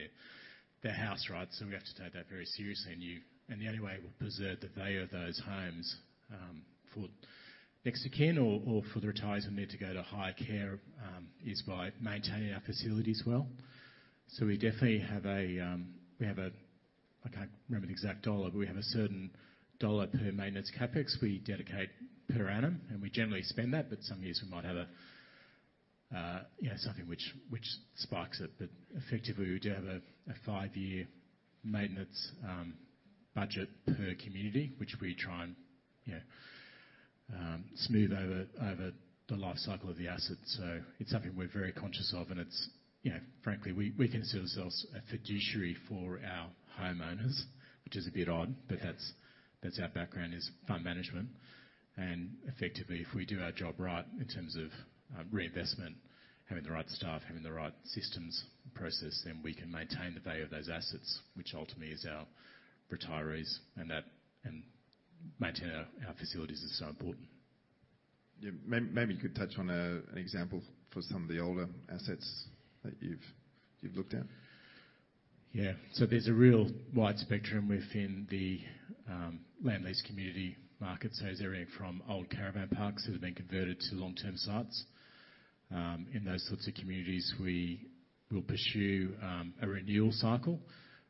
their house, right? So we have to take that very seriously, and the only way we preserve the value of those homes for next to kin or for the retirees who need to go to high care is by maintaining our facilities well. So we definitely have a, we have a, I can't remember the exact dollar, but we have a certain dollar per maintenance CapEx we dedicate per annum, and we generally spend that, but some years we might have a, you know, something which spikes it. But effectively, we do have a five-year maintenance budget per community, which we try and, you know, smooth over the life cycle of the asset. So it's something we're very conscious of, and it's something. You know, frankly, we consider ourselves a fiduciary for our homeowners, which is a bit odd, but that's our background, is fund management. Effectively, if we do our job right in terms of reinvestment, having the right staff, having the right systems process, then we can maintain the value of those assets, which ultimately is our retirees, and maintaining our facilities is so important. Yeah. Maybe you could touch on an example for some of the older assets that you've looked at. Yeah. So there's a real wide spectrum within the land lease community market. So it's everything from old caravan parks that have been converted to long-term sites. In those sorts of communities, we will pursue a renewal cycle.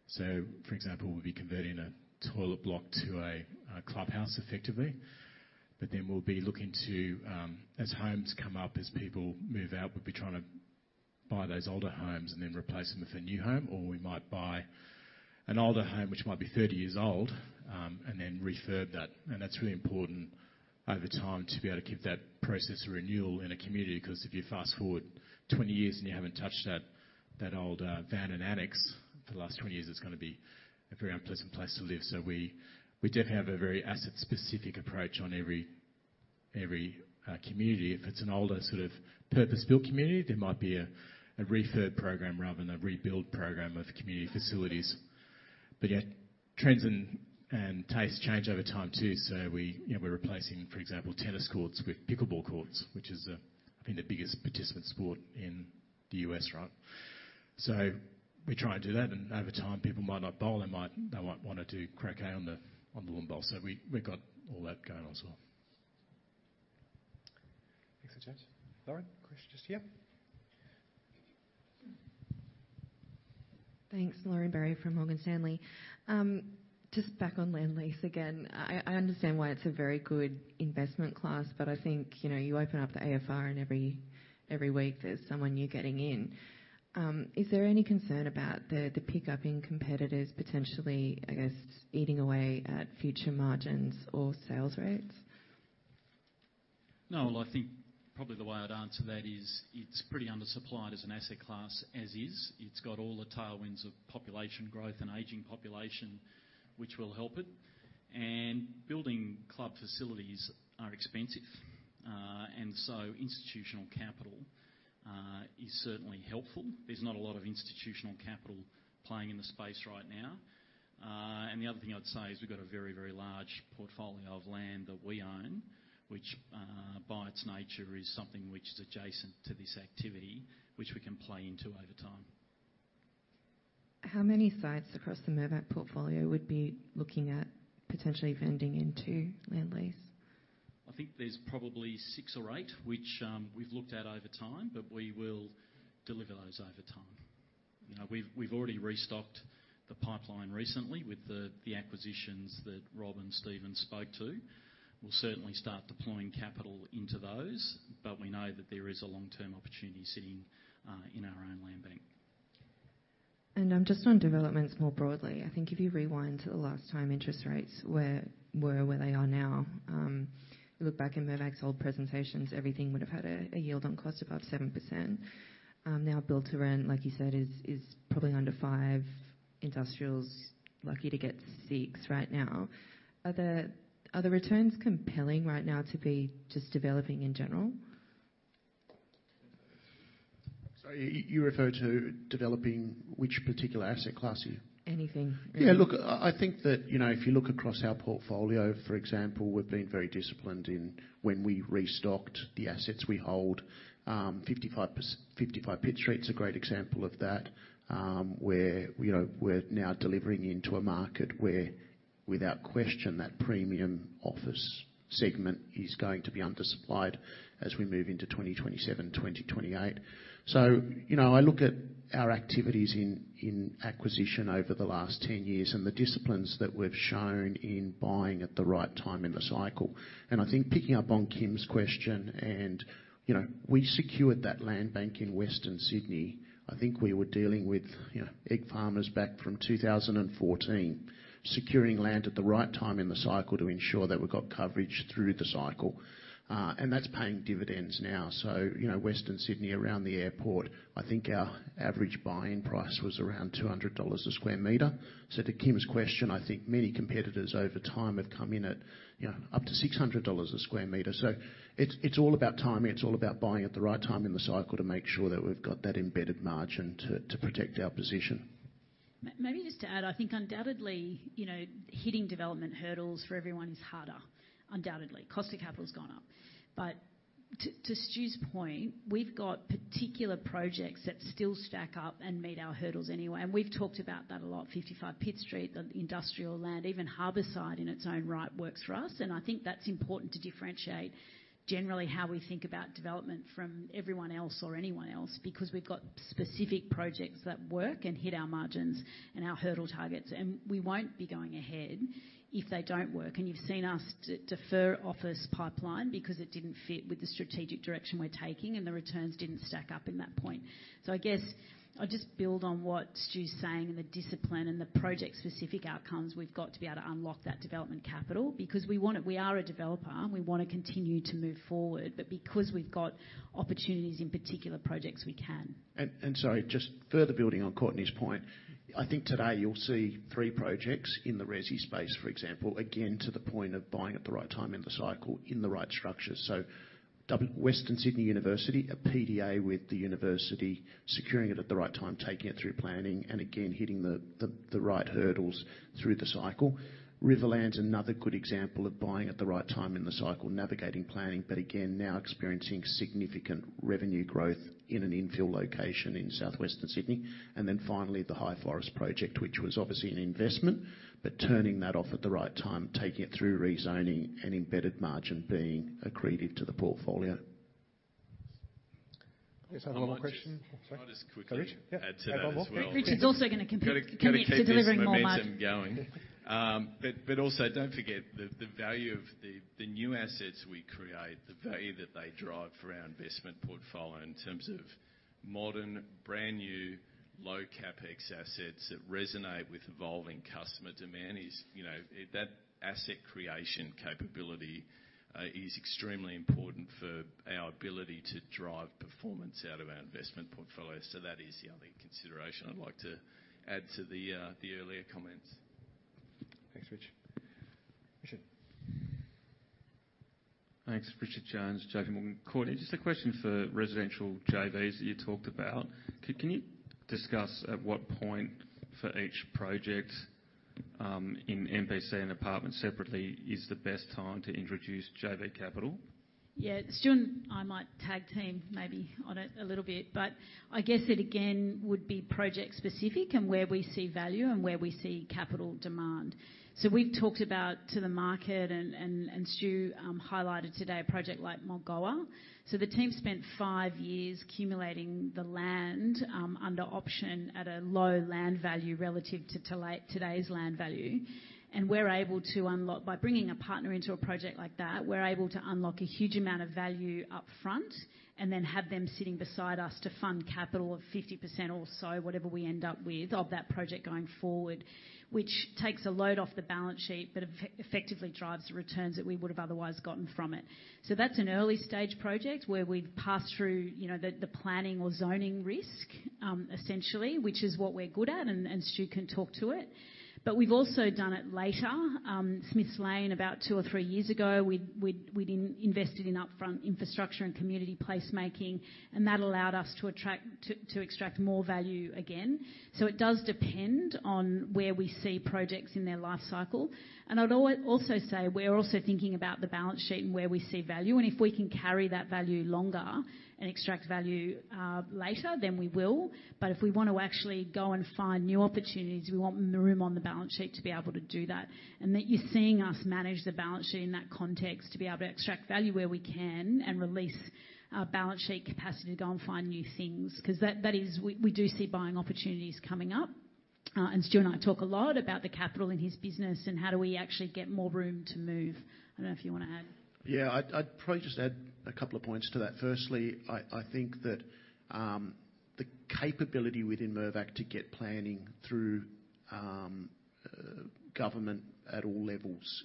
So for example, we'll be converting a toilet block to a clubhouse, effectively. But then we'll be looking to... As homes come up, as people move out, we'll be trying to buy those older homes and then replace them with a new home, or we might buy an older home, which might be thirty years old, and then refurb that. That's really important over time, to be able to keep that process of renewal in a community, 'cause if you fast forward twenty years and you haven't touched that, that old van and annex for the last twenty years, it's gonna be a very unpleasant place to live. We definitely have a very asset-specific approach on every community. If it's an older, sort of, purpose-built community, there might be a refurb program rather than a rebuild program of community facilities. Yet trends and tastes change over time, too. We, you know, we're replacing, for example, tennis courts with pickleball courts, which is, I think the biggest participant sport in the U.S., right? We try and do that, and over time, people might not bowl, they might wanna do croquet on the lawn bowl. So we've got all that going on as well. Thanks, Richard. Lauren, question just here. Thanks. Lauren Berry from Morgan Stanley. Just back on land lease again. I understand why it's a very good investment class, but I think, you know, you open up the AFR, and every week, there's someone new getting in. Is there any concern about the pickup in competitors potentially, I guess, eating away at future margins or sales rates? No, I think probably the way I'd answer that is it's pretty undersupplied as an asset class as is. It's got all the tailwinds of population growth and aging population, which will help it. And building club facilities are expensive, and so institutional capital is certainly helpful. There's not a lot of institutional capital playing in the space right now. And the other thing I'd say is we've got a very, very large portfolio of land that we own, which, by its nature, is something which is adjacent to this activity, which we can play into over time. How many sites across the Mirvac portfolio would be looking at potentially vending into land lease? I think there's probably six or eight, which we've looked at over time, but we will deliver those over time. You know, we've already restocked the pipeline recently with the acquisitions that Rob and Steven spoke to. We'll certainly start deploying capital into those, but we know that there is a long-term opportunity sitting in our own land bank. Just on developments more broadly, I think if you rewind to the last time interest rates were where they are now, you look back in Mirvac's old presentations, everything would have had a yield on cost above 7%. Now build to rent, like you said, is probably under 5%. Industrial's lucky to get 6% right now. Are the returns compelling right now to be just developing in general? You refer to developing which particular asset class here? Anything. Yeah, look, I think that, you know, if you look across our portfolio, for example, we've been very disciplined in when we restocked the assets we hold. 55 Pitt Street's a great example of that, where, you know, we're now delivering into a market where, without question, that premium office segment is going to be undersupplied as we move into 2027, 2028. So, you know, I look at our activities in acquisition over the last 10 years and the disciplines that we've shown in buying at the right time in the cycle. And I think picking up on Kim's question, and, you know, we secured that land bank in Western Sydney. I think we were dealing with, you know, egg farmers back from two thousand and fourteen, securing land at the right time in the cycle to ensure that we've got coverage through the cycle. And that's paying dividends now. So, you know, Western Sydney, around the airport, I think our average buying price was around 200 dollars a square meter. So to Kim's question, I think many competitors over time have come in at, you know, up to 600 dollars a square meter. So it's all about timing. It's all about buying at the right time in the cycle to make sure that we've got that embedded margin to protect our position. Maybe just to add, I think undoubtedly, you know, hitting development hurdles for everyone is harder. Undoubtedly. Cost of capital's gone up. But to Stu's point, we've got particular projects that still stack up and meet our hurdles anyway, and we've talked about that a lot. 55 Pitt Street, the industrial land, even Harbourside in its own right, works for us, and I think that's important to differentiate generally how we think about development from everyone else or anyone else, because we've got specific projects that work and hit our margins and our hurdle targets, and we won't be going ahead if they don't work. You've seen us defer office pipeline because it didn't fit with the strategic direction we're taking, and the returns didn't stack up in that point. I guess I'll just build on what Stu's saying, the discipline and the project-specific outcomes we've got to be able to unlock that development capital because we wanna, we are a developer, and we wanna continue to move forward, but because we've got opportunities in particular projects, we can. Sorry, just further building on Courtney's point. I think today you'll see three projects in the resi space, for example, again, to the point of buying at the right time in the cycle, in the right structure. Western Sydney University, a PDA with the university, securing it at the right time, taking it through planning, and again, hitting the right hurdles through the cycle. Riverlands another good example of buying at the right time in the cycle, navigating planning, but again, now experiencing significant revenue growth in an infill location in southwestern Sydney. Then finally, the High Forest project, which was obviously an investment, but turning that off at the right time, taking it through rezoning and embedded margin being accretive to the portfolio. Yes, another question. I'll just quickly- Sorry. Add to that as well. Richard's also gonna commit to delivering more margin. Got to keep this momentum going. But also don't forget the value of the new assets we create, the value that they drive for our investment portfolio in terms of modern, brand-new, low CapEx assets that resonate with evolving customer demand is, you know. That asset creation capability is extremely important for our ability to drive performance out of our investment portfolio. So that is the only consideration I'd like to add to the earlier comments. Thanks, Rich. Richard. Thanks. Richard Jones, JP Morgan. Courtney, just a question for residential JVs that you talked about. Can you discuss at what point for each project, in MPC and apartments separately, is the best time to introduce JV capital? Yeah. Stu and I might tag team maybe on it a little bit, but I guess it again would be project specific and where we see value and where we see capital demand. So we've talked about to the market and Stu highlighted today a project like Mulgoa. So the team spent five years accumulating the land under option at a low land value relative to today's land value. And we're able to unlock. By bringing a partner into a project like that, we're able to unlock a huge amount of value up front and then have them sitting beside us to fund capital of 50% or so, whatever we end up with, of that project going forward, which takes a load off the balance sheet, but effectively drives the returns that we would have otherwise gotten from it. So that's an early-stage project where we've passed through, you know, the planning or zoning risk, essentially, which is what we're good at, and Stu can talk to it. But we've also done it later. Smiths Lane, about two or three years ago, we'd invested in upfront infrastructure and community placemaking, and that allowed us to attract to extract more value again. So it does depend on where we see projects in their life cycle. And I'd also say, we're also thinking about the balance sheet and where we see value, and if we can carry that value longer and extract value later, then we will. But if we want to actually go and find new opportunities, we want room on the balance sheet to be able to do that. And that you're seeing us manage the balance sheet in that context, to be able to extract value where we can and release our balance sheet capacity to go and find new things, 'cause that is. We do see buying opportunities coming up. And Stu and I talk a lot about the capital in his business, and how do we actually get more room to move? I don't know if you wanna add. Yeah, I'd, I'd probably just add a couple of points to that. Firstly, I think that the capability within Mirvac to get planning through government at all levels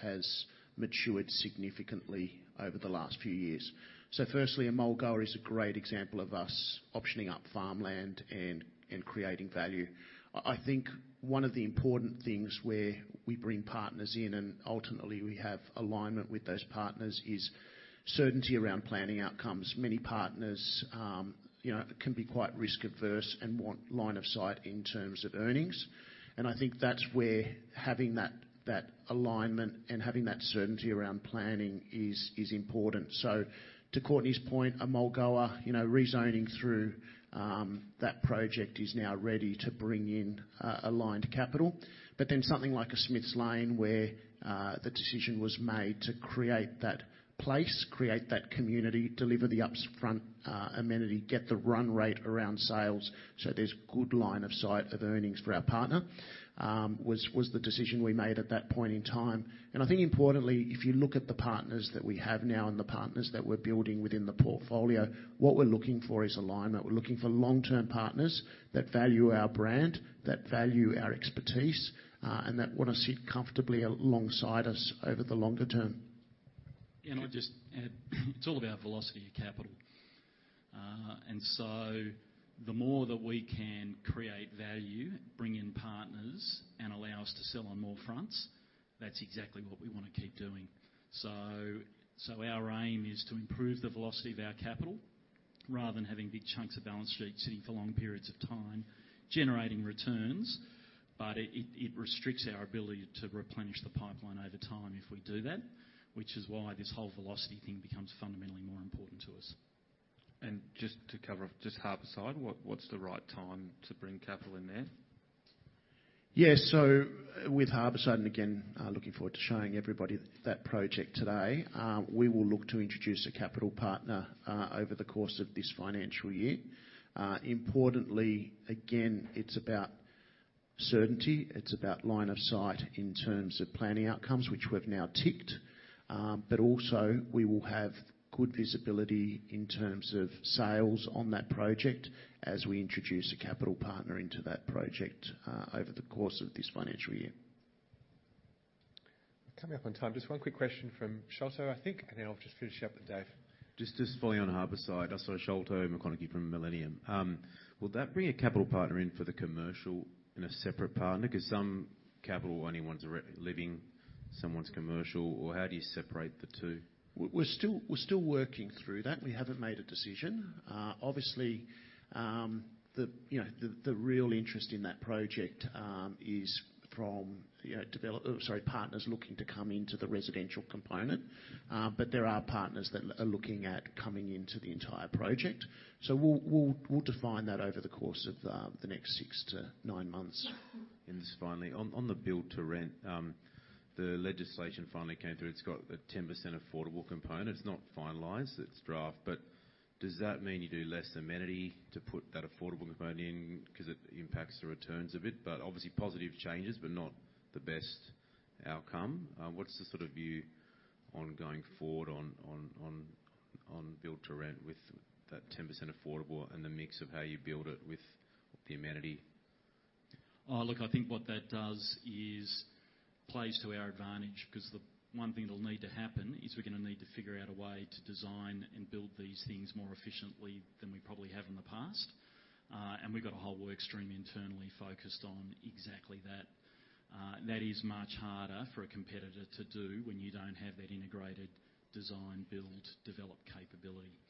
has matured significantly over the last few years. So firstly, Mulgoa is a great example of us optioning up farmland and creating value. I think one of the important things where we bring partners in, and ultimately we have alignment with those partners, is certainty around planning outcomes. Many partners, you know, can be quite risk averse and want line of sight in terms of earnings, and I think that's where having that alignment and having that certainty around planning is important. So to Courtney's point, at Mulgoa, you know, rezoning through that project is now ready to bring in aligned capital. But then something like a Smiths Lane, where the decision was made to create that place, create that community, deliver the upfront amenity, get the run rate around sales so there's good line of sight of earnings for our partner, was the decision we made at that point in time. And I think importantly, if you look at the partners that we have now and the partners that we're building within the portfolio, what we're looking for is alignment. We're looking for long-term partners that value our brand, that value our expertise, and that wanna sit comfortably alongside us over the longer term. I'll just add, it's all about velocity of capital. And so the more that we can create value, bring in partners, and allow us to sell on more fronts, that's exactly what we wanna keep doing. So our aim is to improve the velocity of our capital, rather than having big chunks of balance sheet sitting for long periods of time, generating returns, but it restricts our ability to replenish the pipeline over time if we do that, which is why this whole velocity thing becomes fundamentally more important to us. Just to cover off, just Harbourside, what's the right time to bring capital in there? Yeah, so with Harbourside, and again, looking forward to showing everybody that project today, we will look to introduce a capital partner. Importantly, again, it's about certainty. It's about line of sight in terms of planning outcomes, which we've now ticked, but also we will have good visibility in terms of sales on that project as we introduce a capital partner into that project over the course of this financial year. Coming up on time. Just one quick question from Sholto, I think, and then I'll just finish up with Dave. Just following on Harbourside. Sholto Maconochie from Millennium. Will that bring a capital partner in for the commercial in a separate partner? 'Cause some capital only ones are re-leasing someone's commercial, or how do you separate the two? We're still working through that. We haven't made a decision. Obviously, you know, the real interest in that project is from, you know, partners looking to come into the residential component, but there are partners that are looking at coming into the entire project. So we'll define that over the course of the next six to nine months. And just finally, on the build-to-rent, the legislation finally came through. It's got a 10% affordable component. It's not finalized, it's draft, but does that mean you do less amenity to put that affordable component in, 'cause it impacts the returns a bit? But obviously, positive changes, but not the best outcome. What's the sort of view on going forward on build-to-rent with that 10% affordable and the mix of how you build it with the amenity? Oh, look, I think what that does is plays to our advantage, 'cause the one thing that'll need to happen is we're gonna need to figure out a way to design and build these things more efficiently than we probably have in the past. And we've got a whole workstream internally focused on exactly that. That is much harder for a competitor to do when you don't have that integrated design, build, develop capability.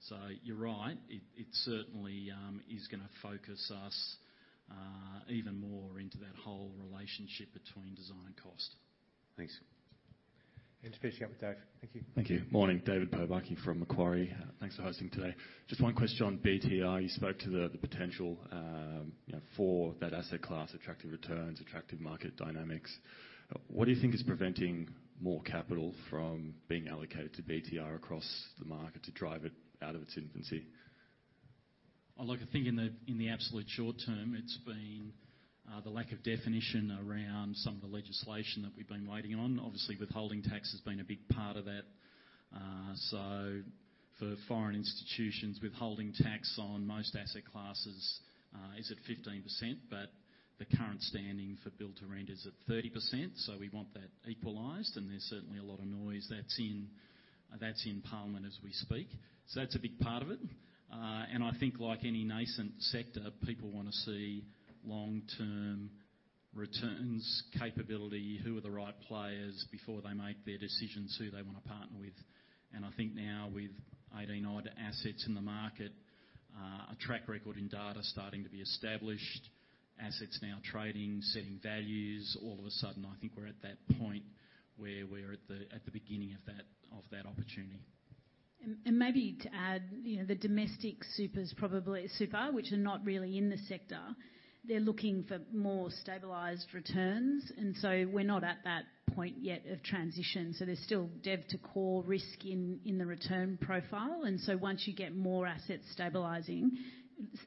So you're right, it certainly is gonna focus us even more into that whole relationship between design and cost. Thanks. Finish up with Dave. Thank you. Thank you. Morning, David Pobric from Macquarie. Thanks for hosting today. Just one question on BTR. You spoke to the potential, you know, for that asset class, attractive returns, attractive market dynamics. What do you think is preventing more capital from being allocated to BTR across the market to drive it out of its infancy? Oh, look, I think in the absolute short term, it's been the lack of definition around some of the legislation that we've been waiting on. Obviously, withholding tax has been a big part of that. So for foreign institutions, withholding tax on most asset classes is at 15%, but the current standing for build-to-rent is at 30%, so we want that equalized, and there's certainly a lot of noise that's in Parliament as we speak. So that's a big part of it. And I think like any nascent sector, people wanna see long-term returns, capability, who are the right players, before they make their decisions who they wanna partner with. I think now with eighty-nine assets in the market, a track record in data starting to be established, assets now trading, setting values, all of a sudden, I think we're at that point where we're at the beginning of that opportunity. And maybe to add, you know, the domestic supers probably super, which are not really in the sector, they're looking for more stabilized returns, and so we're not at that point yet of transition, so there's still dev to core risk in the return profile. And so once you get more assets stabilizing,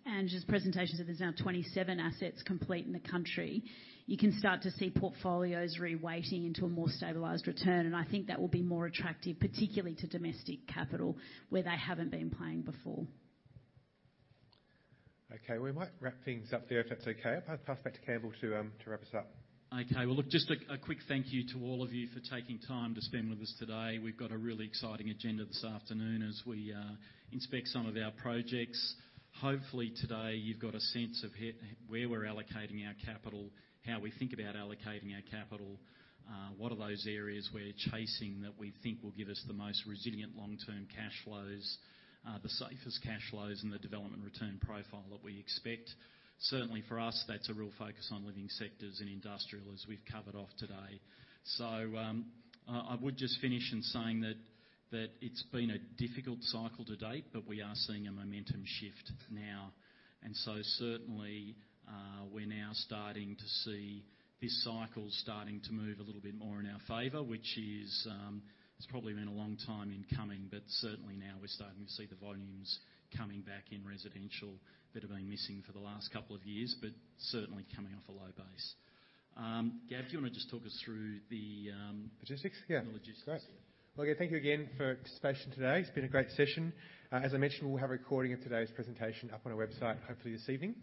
Ange's presentation said there's now 27 assets complete in the country, you can start to see portfolios reweighting into a more stabilized return, and I think that will be more attractive, particularly to domestic capital, where they haven't been playing before. Okay, we might wrap things up there, if that's okay. I'll pass back to Campbell to wrap us up. Okay. Well, look, just a quick thank you to all of you for taking time to spend with us today. We've got a really exciting agenda this afternoon as we inspect some of our projects. Hopefully today, you've got a sense of where we're allocating our capital, how we think about allocating our capital, what are those areas we're chasing that we think will give us the most resilient long-term cash flows, the safest cash flows, and the development return profile that we expect. Certainly for us, that's a real focus on living sectors and industrial, as we've covered off today. I would just finish in saying that it's been a difficult cycle to date, but we are seeing a momentum shift now, and so certainly, we're now starting to see this cycle starting to move a little bit more in our favor, which is, it's probably been a long time in coming. But certainly now we're starting to see the volumes coming back in residential that have been missing for the last couple of years, but certainly coming off a low base. Gav, do you wanna just talk us through the, Logistics? Yeah. The logistics. Great. Well, again, thank you again for participating today. It's been a great session. As I mentioned, we'll have a recording of today's presentation up on our website, hopefully this evening.